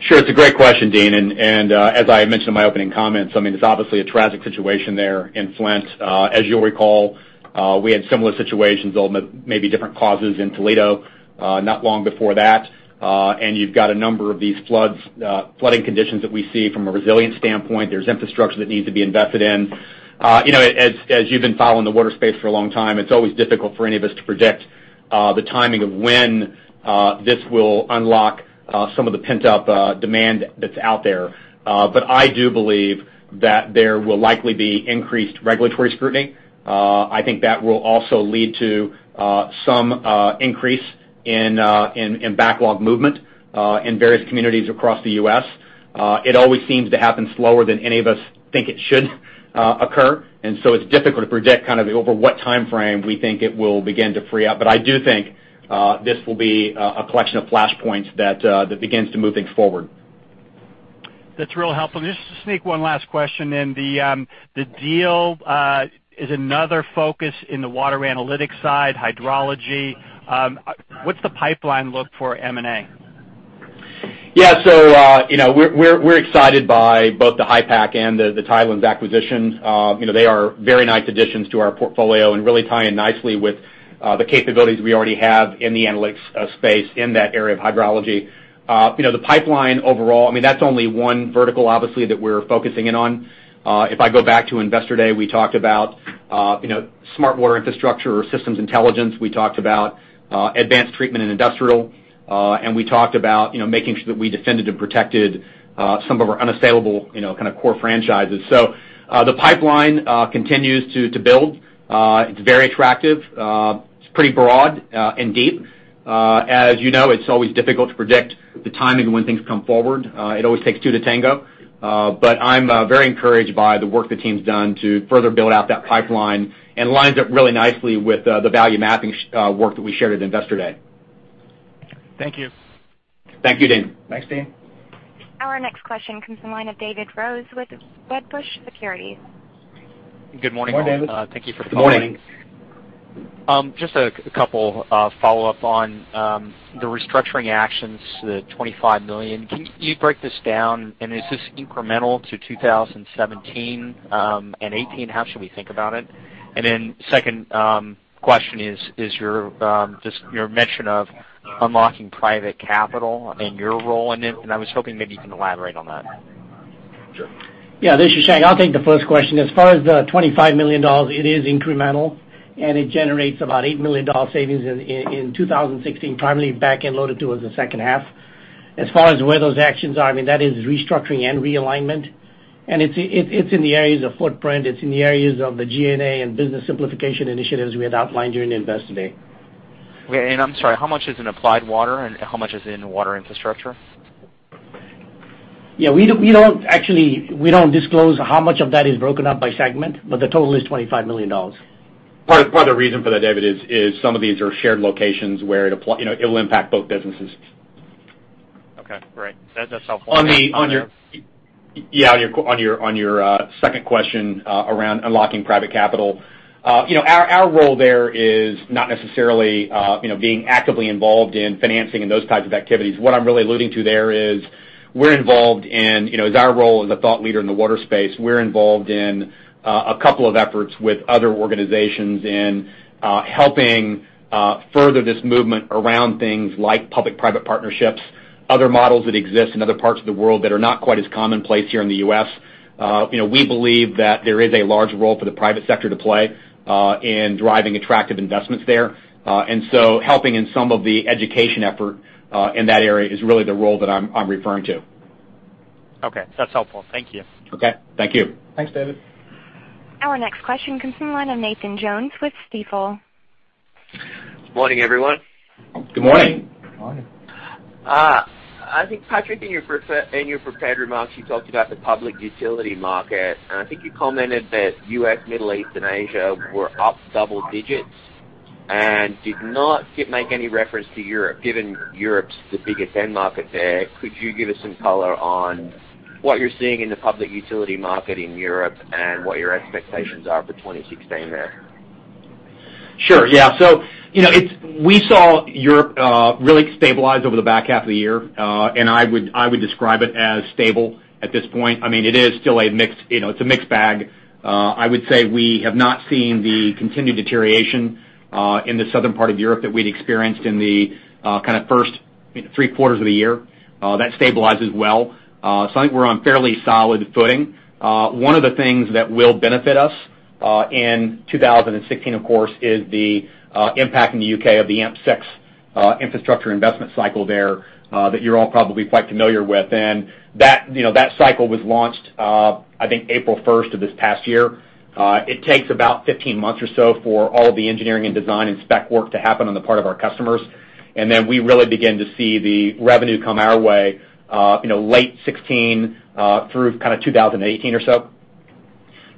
Sure. It's a great question, Deane, and as I mentioned in my opening comments, I mean, it's obviously a tragic situation there in Flint. As you'll recall, we had similar situations, although maybe different causes in Toledo, not long before that. You've got a number of these flooding conditions that we see from a resilience standpoint. There's infrastructure that needs to be invested in. As you've been following the water space for a long time, it's always difficult for any of us to predict the timing of when this will unlock some of the pent-up demand that's out there. I do believe that there will likely be increased regulatory scrutiny. I think that will also lead to some increase in backlog movement, in various communities across the U.S. It always seems to happen slower than any of us think it should occur, it's difficult to predict over what timeframe we think it will begin to free up. I do think this will be a collection of flashpoints that begins to move things forward. That's real helpful. Just to sneak one last question in. The deal is another focus in the water analytics side, hydrology. What's the pipeline look for M&A? Yeah. We're excited by both the HYPACK and the Tideland acquisitions. They are very nice additions to our portfolio and really tie in nicely with the capabilities we already have in the analytics space in that area of hydrology. The pipeline overall, that's only one vertical, obviously, that we're focusing in on. If I go back to Investor Day, we talked about smart water infrastructure or systems intelligence. We talked about advanced treatment in industrial, we talked about making sure that we defended and protected some of our unassailable core franchises. The pipeline continues to build. It's very attractive. It's pretty broad and deep. As you know, it's always difficult to predict the timing of when things come forward. It always takes two to tango. I'm very encouraged by the work the team's done to further build out that pipeline, and lines up really nicely with the value-mapping work that we shared at Investor Day. Thank you. Thank you, Deane. Thanks, Deane. Our next question comes from the line of David Rose with Wedbush Securities. Good morning, all. Good morning, David. Thank you for the opportunity. Good morning. Just a couple follow-up on the restructuring actions, the $25 million. Can you break this down? Is this incremental to 2017 and 2018? How should we think about it? Second question is your mention of unlocking private capital and your role in it, and I was hoping maybe you can elaborate on that. Sure. Yeah, this is Shashank. I'll take the first question. As far as the $25 million, it is incremental, and it generates about $8 million savings in 2016, primarily back-end loaded to us in the second half. As far as where those actions are, that is restructuring and realignment, and it's in the areas of footprint. It's in the areas of the G&A and business simplification initiatives we had outlined during the Investor Day. Okay, I'm sorry, how much is in Applied Water and how much is in Water Infrastructure? Yeah, we don't disclose how much of that is broken up by segment, the total is $25 million. Part of the reason for that, David, is some of these are shared locations where it'll impact both businesses. Okay, great. That's helpful. On your second question around unlocking private capital, our role there is not necessarily being actively involved in financing and those types of activities. What I'm really alluding to there is, as our role as a thought leader in the water space, we're involved in a couple of efforts with other organizations in helping further this movement around things like public-private partnerships, other models that exist in other parts of the world that are not quite as commonplace here in the U.S. We believe that there is a large role for the private sector to play in driving attractive investments there. Helping in some of the education effort in that area is really the role that I'm referring to. Okay, that's helpful. Thank you. Okay, thank you. Thanks, David. Our next question comes from the line of Nathan Jones with Stifel. Morning, everyone. Good morning. Good morning. I think, Patrick, in your prepared remarks, you talked about the public utility market. I think you commented that U.S., Middle East, and Asia were up double digits and did not make any reference to Europe. Given Europe's the biggest end market there, could you give us some color on what you're seeing in the public utility market in Europe and what your expectations are for 2016 there? Sure, yeah. We saw Europe really stabilize over the back half of the year, and I would describe it as stable at this point. It's a mixed bag. I would say we have not seen the continued deterioration in the southern part of Europe that we'd experienced in the first three quarters of the year. That stabilizes well. I think we're on fairly solid footing. One of the things that will benefit us in 2016, of course, is the impact in the U.K. of the AMP6 infrastructure investment cycle there that you're all probably quite familiar with. That cycle was launched, I think, April 1st of this past year. It takes about 15 months or so for all of the engineering and design and spec work to happen on the part of our customers. We really begin to see the revenue come our way late 2016 through 2018 or so.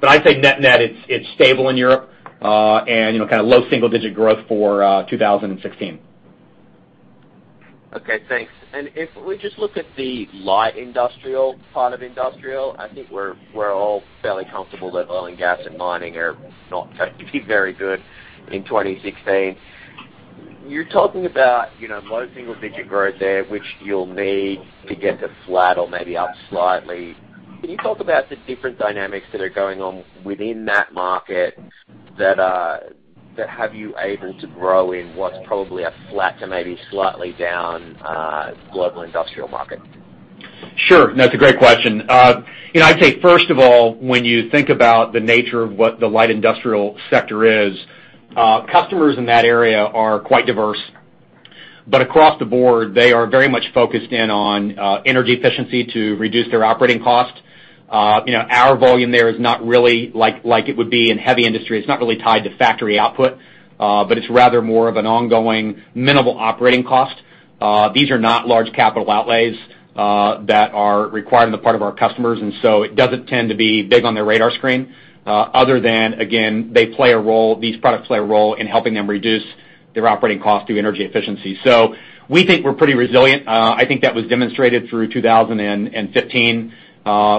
I'd say net-net, it's stable in Europe, and low single-digit growth for 2016. Okay, thanks. If we just look at the light industrial part of industrial, I think we're all fairly comfortable that oil and gas and mining are not going to be very good in 2016. You're talking about low single-digit growth there, which you'll need to get to flat or maybe up slightly. Can you talk about the different dynamics that are going on within that market that have you able to grow in what's probably a flat to maybe slightly down global industrial market? Sure. No, it's a great question. I'd say, first of all, when you think about the nature of what the light industrial sector is, customers in that area are quite diverse. Across the board, they are very much focused in on energy efficiency to reduce their operating cost. Our volume there is not really like it would be in heavy industry. It's not really tied to factory output, but it's rather more of an ongoing minimal operating cost. These are not large capital outlays that are required on the part of our customers, and so it doesn't tend to be big on their radar screen. Other than, again, these products play a role in helping them reduce their operating cost through energy efficiency. We think we're pretty resilient. I think that was demonstrated through 2015,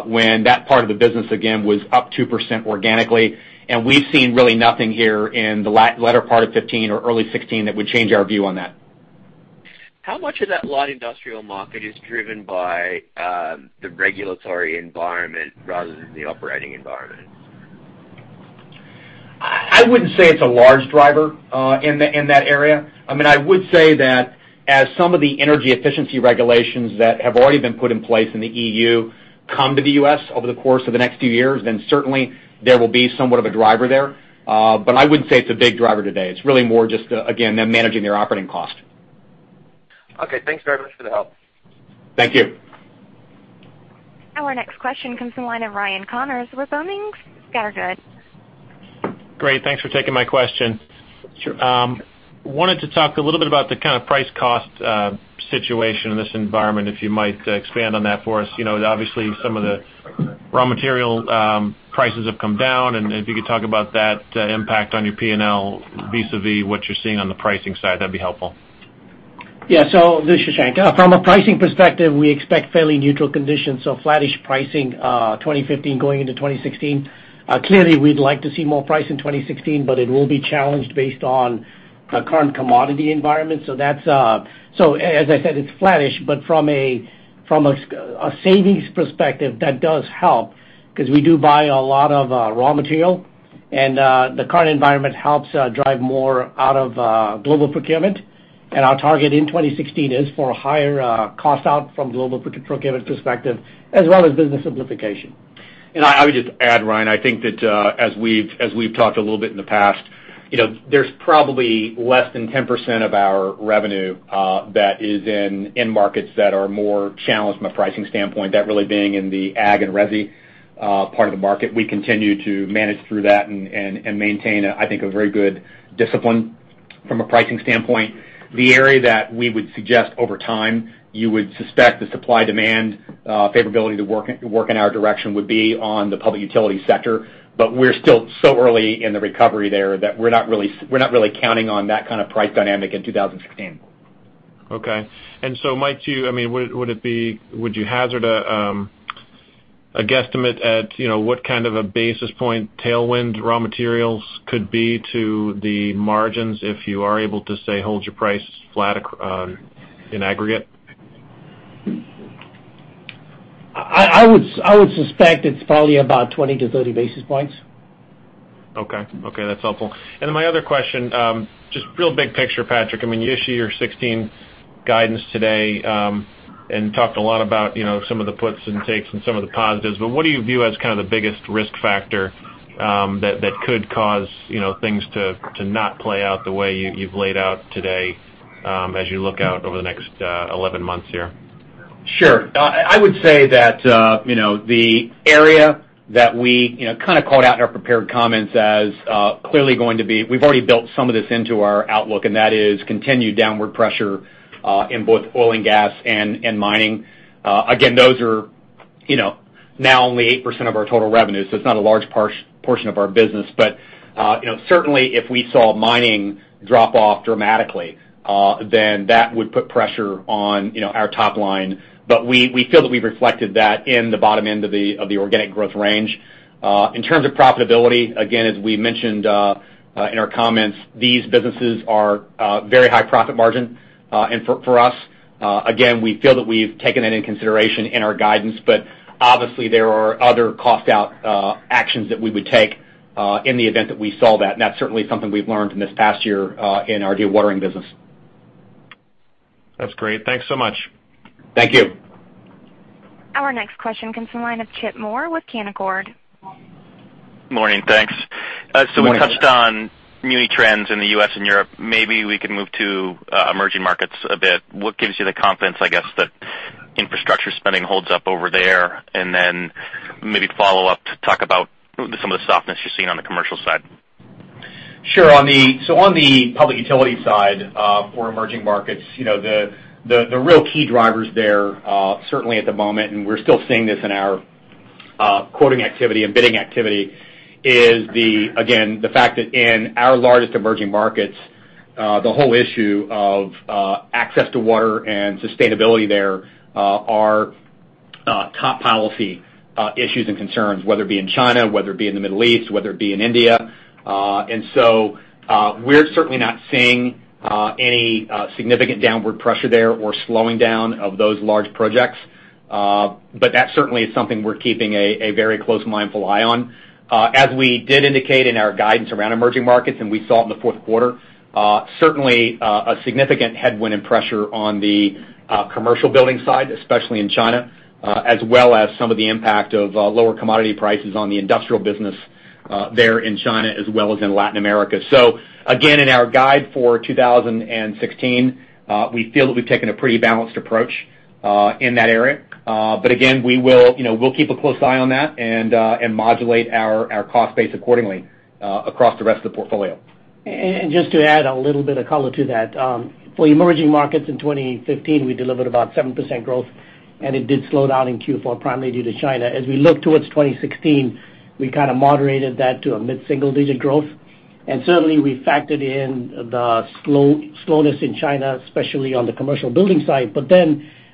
when that part of the business, again, was up 2% organically. We've seen really nothing here in the latter part of 2015 or early 2016 that would change our view on that. How much of that light industrial market is driven by the regulatory environment rather than the operating environment? I wouldn't say it's a large driver in that area. I would say that as some of the energy efficiency regulations that have already been put in place in the EU come to the U.S. over the course of the next few years, certainly there will be somewhat of a driver there. I wouldn't say it's a big driver today. It's really more just, again, them managing their operating cost. Okay. Thanks very much for the help. Thank you. Our next question comes from the line of Ryan Connors with Boenning & Scattergood. Great, thanks for taking my question. Sure. Wanted to talk a little bit about the kind of price cost situation in this environment. If you might expand on that for us. Obviously, some of the raw material prices have come down, and if you could talk about that impact on your P&L vis-a-vis what you're seeing on the pricing side, that'd be helpful. Yeah. This is Shashank. From a pricing perspective, we expect fairly neutral conditions, flattish pricing 2015 going into 2016. Clearly, we'd like to see more price in 2016, it will be challenged based on the current commodity environment. As I said, it's flattish, from a savings perspective, that does help because we do buy a lot of raw material, and the current environment helps drive more out of global procurement. Our target in 2016 is for a higher cost out from a global procurement perspective, as well as business simplification. I would just add, Ryan, I think that as we've talked a little bit in the past, there's probably less than 10% of our revenue that is in end markets that are more challenged from a pricing standpoint, that really being in the ag and resi part of the market. We continue to manage through that and maintain, I think, a very good discipline from a pricing standpoint. The area that we would suggest over time, you would suspect the supply-demand favorability to work in our direction would be on the public utility sector. We're still so early in the recovery there that we're not really counting on that kind of price dynamic in 2016. Okay. Would you hazard a guesstimate at what kind of a basis point tailwind raw materials could be to the margins if you are able to, say, hold your price flat in aggregate? I would suspect it's probably about 20 to 30 basis points. Okay. That's helpful. My other question, just real big picture, Patrick. You issue your 2016 guidance today and talked a lot about some of the puts and takes and some of the positives. What do you view as kind of the biggest risk factor that could cause things to not play out the way you've laid out today as you look out over the next 11 months here? Sure. I would say that the area that we kind of called out in our prepared comments as we've already built some of this into our outlook, and that is continued downward pressure in both oil and gas and mining. Those are now only 8% of our total revenue, so it's not a large portion of our business. Certainly, if we saw mining drop off dramatically, then that would put pressure on our top line. We feel that we've reflected that in the bottom end of the organic growth range. In terms of profitability, again, as we mentioned in our comments, these businesses are very high profit margin. For us, again, we feel that we've taken that into consideration in our guidance. Obviously, there are other cost out actions that we would take in the event that we saw that, and that's certainly something we've learned from this past year in our dewatering business. That's great. Thanks so much. Thank you. Our next question comes from the line of Kit Moore with Canaccord. Morning. Thanks. Morning. We touched on muni trends in the U.S. and Europe. Maybe we could move to emerging markets a bit. What gives you the confidence, I guess, that infrastructure spending holds up over there? Then maybe follow up to talk about some of the softness you're seeing on the commercial side. Sure. On the public utility side for emerging markets, the real key drivers there, certainly at the moment, and we're still seeing this in our quoting activity and bidding activity, is, again, the fact that in our largest emerging markets the whole issue of access to water and sustainability there are top policy issues and concerns, whether it be in China, whether it be in the Middle East, whether it be in India. We're certainly not seeing any significant downward pressure there or slowing down of those large projects. That certainly is something we're keeping a very close, mindful eye on. We did indicate in our guidance around emerging markets and we saw in the fourth quarter, certainly a significant headwind and pressure on the commercial building side, especially in China, as well as some of the impact of lower commodity prices on the industrial business there in China as well as in Latin America. Again, in our guide for 2016, we feel that we've taken a pretty balanced approach in that area. Again, we'll keep a close eye on that and modulate our cost base accordingly across the rest of the portfolio. Just to add a little bit of color to that. For the emerging markets in 2015, we delivered about 7% growth, and it did slow down in Q4, primarily due to China. As we look towards 2016, we kind of moderated that to a mid-single digit growth, and certainly we factored in the slowness in China, especially on the commercial building side.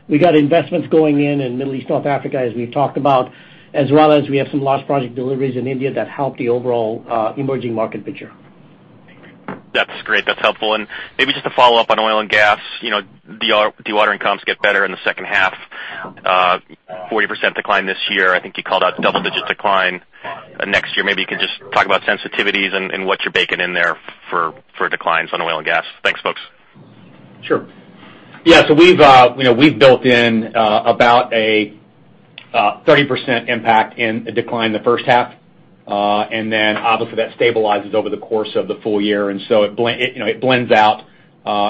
We got investments going in Middle East, North Africa, as we've talked about, as well as we have some large project deliveries in India that help the overall emerging market picture. That's great. That's helpful. Maybe just to follow up on oil and gas, dewatering comps get better in the second half, 40% decline this year. I think you called out double digit decline next year. Maybe you can just talk about sensitivities and what's your bake in there for declines on oil and gas. Thanks, folks. Sure. We've built in about a 30% impact in a decline the first half. Obviously that stabilizes over the course of the full year, it blends out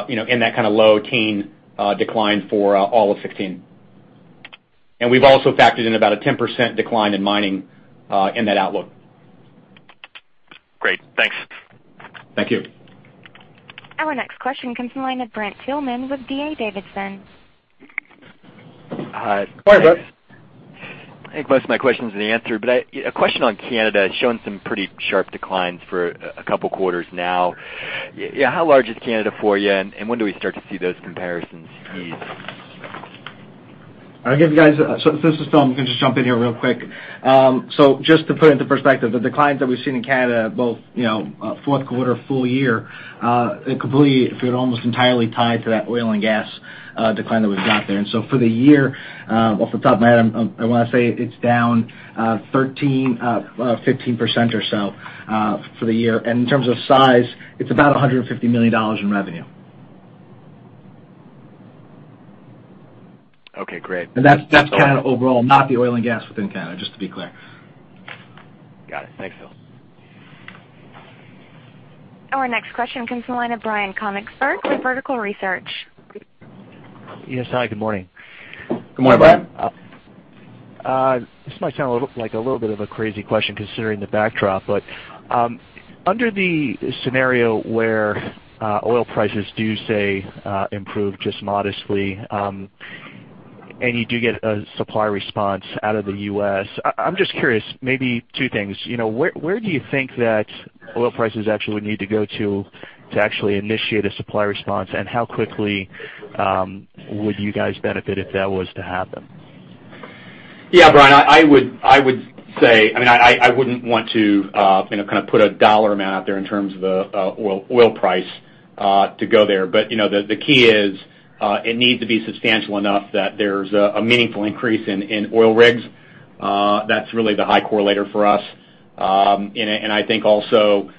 in that kind of low teen decline for all of 2016. We've also factored in about a 10% decline in mining in that outlook. Great. Thanks. Thank you. Our next question comes from the line of Brent Thielman with D.A. Davidson. Hi, Brent. I think most of my questions are answered, A question on Canada. It's shown some pretty sharp declines for a couple of quarters now. How large is Canada for you, and when do we start to see those comparisons ease? This is Phil. I'm going to just jump in here real quick. Just to put into perspective, the declines that we've seen in Canada, both fourth quarter, full year, completely feel almost entirely tied to that oil and gas decline that we've got there. For the year, off the top of my head, I want to say it's down 13%-15% or so for the year. In terms of size, it's about $150 million in revenue. Okay, great. That's Canada overall, not the oil and gas within Canada, just to be clear. Got it. Thanks, Phil. Our next question comes from the line of Brian Konigsberg, with Vertical Research. Yes, hi, good morning. Good morning, Brian. This might sound like a little bit of a crazy question considering the backdrop, but under the scenario where oil prices do, say, improve just modestly, and you do get a supply response out of the U.S., I'm just curious, maybe two things. Where do you think that oil prices actually would need to go to actually initiate a supply response? How quickly would you guys benefit if that was to happen? Yeah, Brian, I wouldn't want to put a dollar amount out there in terms of the oil price to go there. The key is it needs to be substantial enough that there's a meaningful increase in oil rigs. That's really the high correlator for us. I think also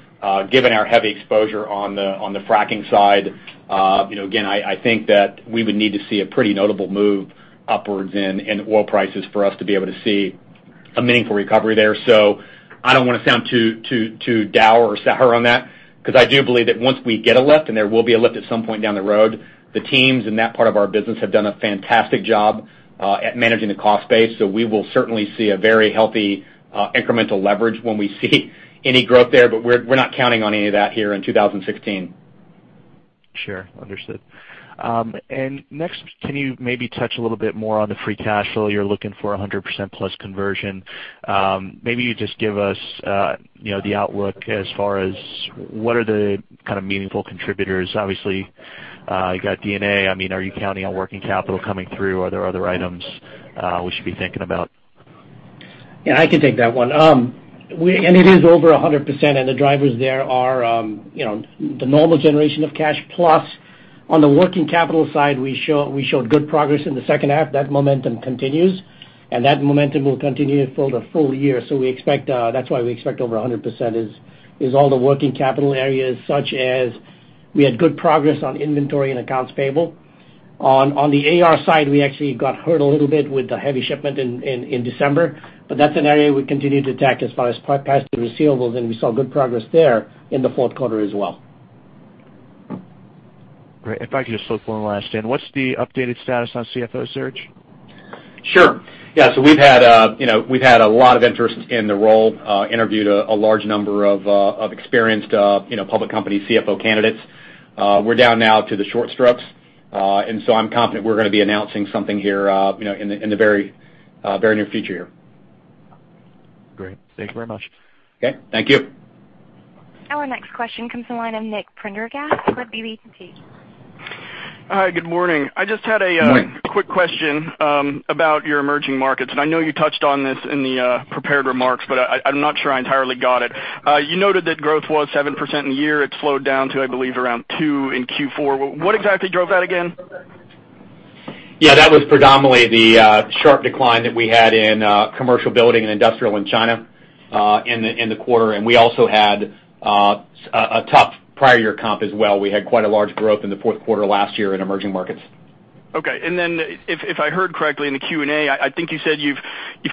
given our heavy exposure on the fracking side, again, I think that we would need to see a pretty notable move upwards in oil prices for us to be able to see a meaningful recovery there. I don't want to sound too dour or sour on that, because I do believe that once we get a lift, and there will be a lift at some point down the road, the teams in that part of our business have done a fantastic job at managing the cost base. We will certainly see a very healthy incremental leverage when we see any growth there, but we're not counting on any of that here in 2016. Sure. Understood. Next, can you maybe touch a little bit more on the free cash flow? You're looking for 100%+ conversion. Maybe you just give us the outlook as far as what are the kind of meaningful contributors. Obviously, you got D&A. Are you counting on working capital coming through? Are there other items we should be thinking about? I can take that one. It is over 100%, and the drivers there are the normal generation of cash, plus on the working capital side, we showed good progress in the second half. That momentum continues, and that momentum will continue for the full year. That's why we expect over 100% is all the working capital areas such as we had good progress on inventory and accounts payable. On the AR side, we actually got hurt a little bit with the heavy shipment in December, but that's an area we continue to attack as far as past due receivables, and we saw good progress there in the fourth quarter as well. Great. If I could just slip one last in, what's the updated status on CFO search? Sure. We've had a lot of interest in the role, interviewed a large number of experienced public company CFO candidates. We're down now to the short list. I'm confident we're going to be announcing something here in the very near future here. Great. Thank you very much. Okay. Thank you. Our next question comes from the line of Nicholas Prendergast with BB&T. Hi, good morning. Morning. I just had a quick question about your emerging markets, and I know you touched on this in the prepared remarks, but I'm not sure I entirely got it. You noted that growth was 7% in the year. It slowed down to, I believe, around 2 in Q4. What exactly drove that again? That was predominantly the sharp decline that we had in commercial building and industrial in China in the quarter, and we also had a tough prior year comp as well. We had quite a large growth in the fourth quarter last year in emerging markets. Okay. If I heard correctly in the Q&A, I think you said you've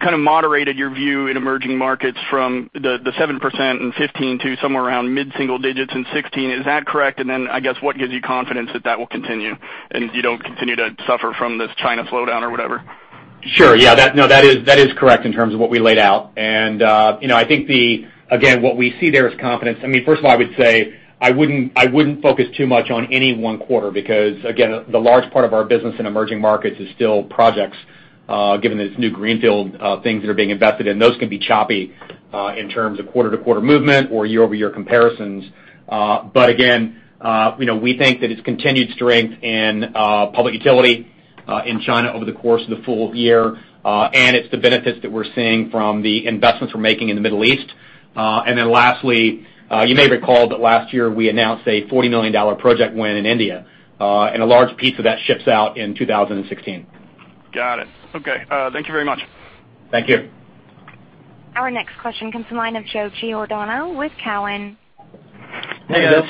kind of moderated your view in emerging markets from the 7% in 2015 to somewhere around mid-single digits in 2016. Is that correct? I guess, what gives you confidence that will continue and you don't continue to suffer from this China slowdown or whatever? Sure. Yeah. No, that is correct in terms of what we laid out. I think, again, what we see there is confidence. First of all, I would say I wouldn't focus too much on any one quarter because, again, the large part of our business in emerging markets is still projects, given that it's new greenfield things that are being invested in. Those can be choppy in terms of quarter-to-quarter movement or year-over-year comparisons. Again, we think that it's continued strength in public utility in China over the course of the full year, and it's the benefits that we're seeing from the investments we're making in the Middle East. Lastly, you may recall that last year we announced a $40 million project win in India, and a large piece of that ships out in 2016. Got it. Okay. Thank you very much. Thank you. Our next question comes from the line of Joe Giordano with Cowen. Hey, guys.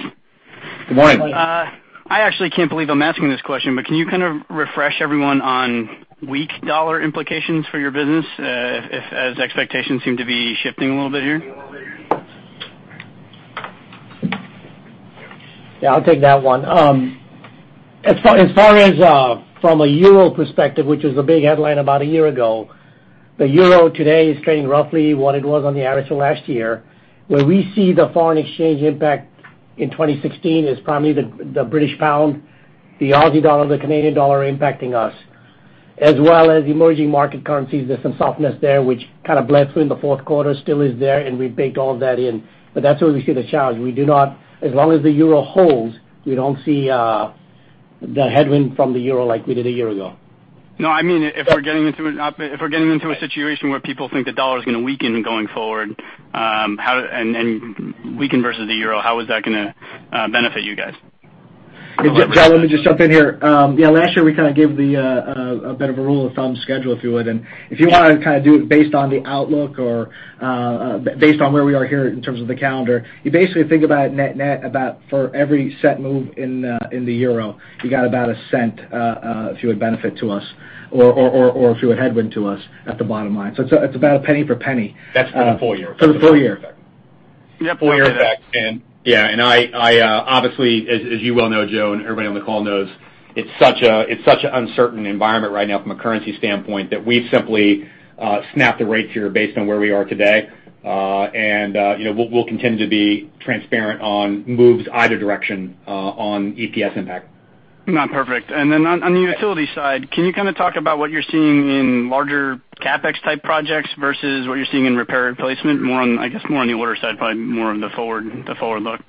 Good morning. I actually can't believe I'm asking this question, can you kind of refresh everyone on weak dollar implications for your business, as expectations seem to be shifting a little bit here? Yeah, I'll take that one. As far as from a euro perspective, which was a big headline about a year ago, the euro today is trading roughly what it was on the average of last year. Where we see the foreign exchange impact in 2016 is probably the British pound, the Aussie dollar, the Canadian dollar impacting us, as well as emerging market currencies. There's some softness there, which kind of bled through in the fourth quarter, still is there, and we've baked all of that in. That's where we see the challenge. As long as the euro holds, we don't see the headwind from the euro like we did a year ago. No, I mean, if we're getting into a situation where people think the dollar is going to weaken going forward and weaken versus the euro, how is that going to benefit you guys? Joe, let me just jump in here. Yeah, last year we kind of gave a bit of a rule of thumb schedule, if you would. If you want to kind of do it based on the outlook or based on where we are here in terms of the calendar, you basically think about net for every cent move in the euro, you got about a cent, if you would, benefit to us or if you would, headwind to us at the bottom line. It's about a penny for penny. That's for the full year. For the full year. Yeah, full year. Yeah. Obviously, as you well know, Joe, and everybody on the call knows, it's such an uncertain environment right now from a currency standpoint that we've simply snapped the rates here based on where we are today. We'll continue to be transparent on moves either direction on EPS impact. No, perfect. Then on the utility side, can you kind of talk about what you're seeing in larger CapEx type projects versus what you're seeing in repair and replacement? I guess more on the order side, probably more on the forward look.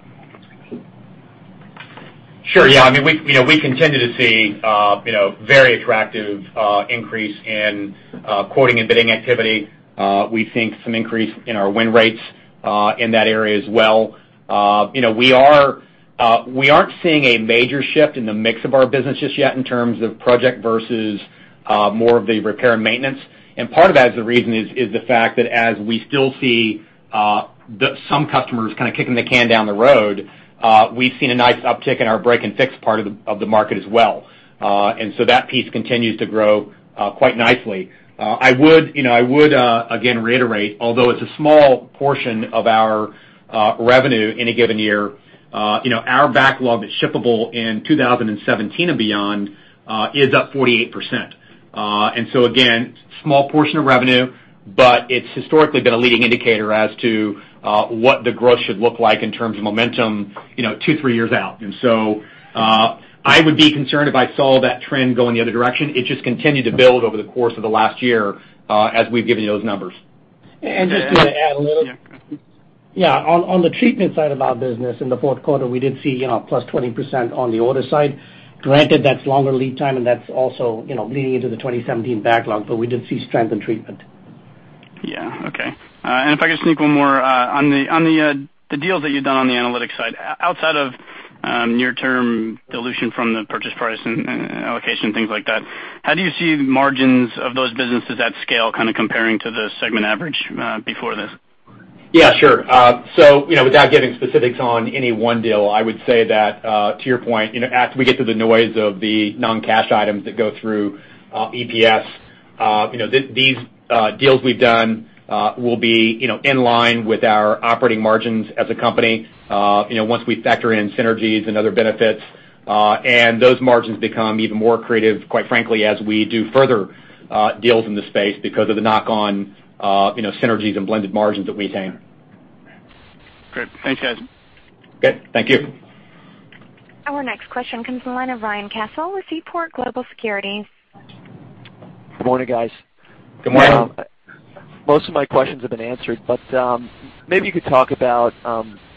Sure. Yeah. We continue to see very attractive increase in quoting and bidding activity. We think some increase in our win rates in that area as well. We aren't seeing a major shift in the mix of our business just yet in terms of project versus more of the repair and maintenance. Part of that is the reason is the fact that as we still see some customers kind of kicking the can down the road, we've seen a nice uptick in our break and fix part of the market as well. That piece continues to grow quite nicely. I would, again, reiterate, although it's a small portion of our revenue in a given year, our backlog that's shippable in 2017 and beyond is up 48%. Again, small portion of revenue, but it's historically been a leading indicator as to what the growth should look like in terms of momentum two, three years out. I would be concerned if I saw that trend going the other direction. It just continued to build over the course of the last year as we've given you those numbers. Just to add a little. Yeah. Yeah. On the treatment side of our business in the fourth quarter, we did see plus 20% on the order side. Granted, that's longer lead time, and that's also leading into the 2017 backlog, but we did see strength in treatment. If I could sneak one more. On the deals that you've done on the analytics side, outside of near-term dilution from the purchase price and allocation, things like that, how do you see margins of those businesses at scale kind of comparing to the segment average before this? Yeah, sure. Without getting specifics on any one deal, I would say that to your point, as we get through the noise of the non-cash items that go through EPS, these deals we've done will be in line with our operating margins as a company once we factor in synergies and other benefits. Those margins become even more accretive, quite frankly, as we do further deals in the space because of the knock-on synergies and blended margins that we attain. Great. Thanks, guys. Good. Thank you. Our next question comes from the line of Ryan Cassil with Seaport Global Securities. Good morning, guys. Good morning. Maybe you could talk about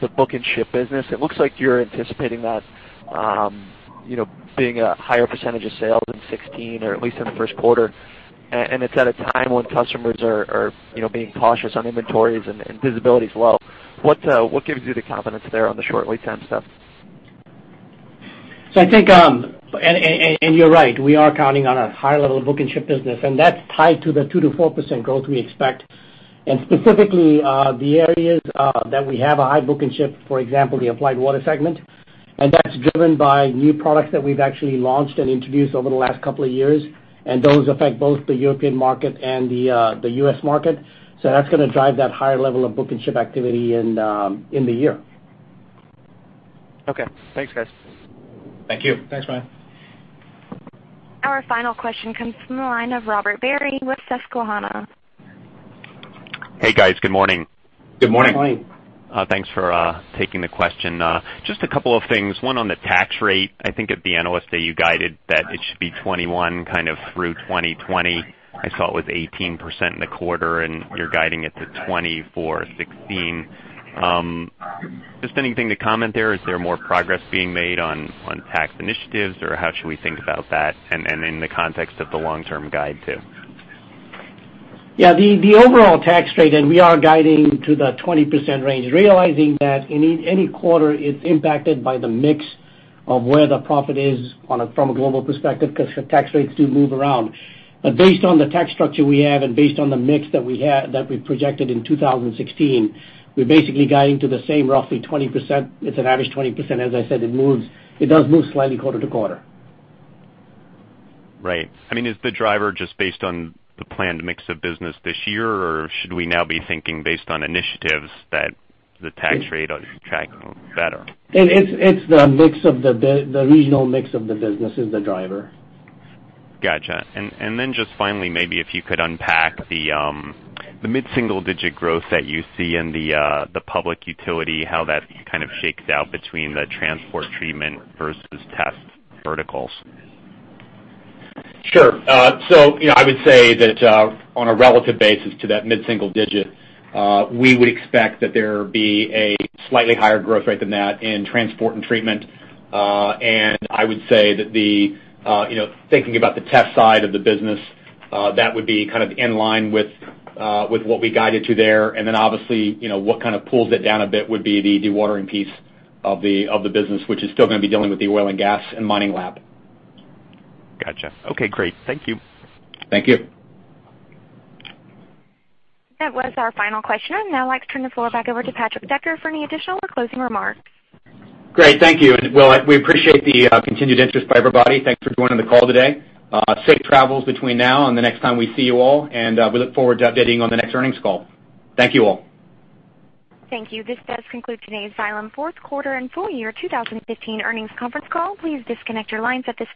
the book and ship business. It looks like you're anticipating that being a higher percentage of sales in 2016, or at least in the first quarter, and it's at a time when customers are being cautious on inventories and visibility's low. What gives you the confidence there on the short lead time stuff? You're right. We are counting on a higher level of book and ship business, and that's tied to the 2%-4% growth we expect. Specifically, the areas that we have a high book and ship, for example, the Applied Water segment. That's driven by new products that we've actually launched and introduced over the last couple of years, and those affect both the European market and the U.S. market. That's going to drive that higher level of book and ship activity in the year. Okay. Thanks, guys. Thank you. Thanks, Ryan. Our final question comes from the line of Robert Barry with Susquehanna. Hey, guys. Good morning. Good morning. Good morning. Thanks for taking the question. Just a couple of things. One on the tax rate, I think at the analyst day, you guided that it should be 21 kind of through 2020. I saw it was 18% in the quarter, and you're guiding it to 20 for 2016. Just anything to comment there? Is there more progress being made on tax initiatives, or how should we think about that and in the context of the long-term guide too? Yeah, the overall tax rate, we are guiding to the 20% range, realizing that any quarter is impacted by the mix of where the profit is from a global perspective, because tax rates do move around. Based on the tax structure we have and based on the mix that we projected in 2016, we're basically guiding to the same roughly 20%. It's an average 20%. As I said, it does move slightly quarter to quarter. Right. Is the driver just based on the planned mix of business this year, or should we now be thinking based on initiatives that the tax rate are tracking better? It's the regional mix of the business is the driver. Got you. Just finally, maybe if you could unpack the mid-single-digit growth that you see in the public utility, how that kind of shakes out between the transport treatment versus test verticals. Sure. I would say that on a relative basis to that mid-single digit, we would expect that there be a slightly higher growth rate than that in transport and treatment. I would say that thinking about the test side of the business, that would be kind of inline with what we guided to there. Obviously, what kind of pulls it down a bit would be the dewatering piece of the business, which is still going to be dealing with the oil and gas and mining lag. Got you. Okay, great. Thank you. Thank you. That was our final question. I'd now like to turn the floor back over to Patrick Decker for any additional or closing remarks. Great. Thank you. We appreciate the continued interest by everybody. Thanks for joining the call today. Safe travels between now and the next time we see you all. We look forward to updating on the next earnings call. Thank you all. Thank you. This does conclude today's Xylem fourth quarter and full year 2015 earnings conference call. Please disconnect your lines at this time.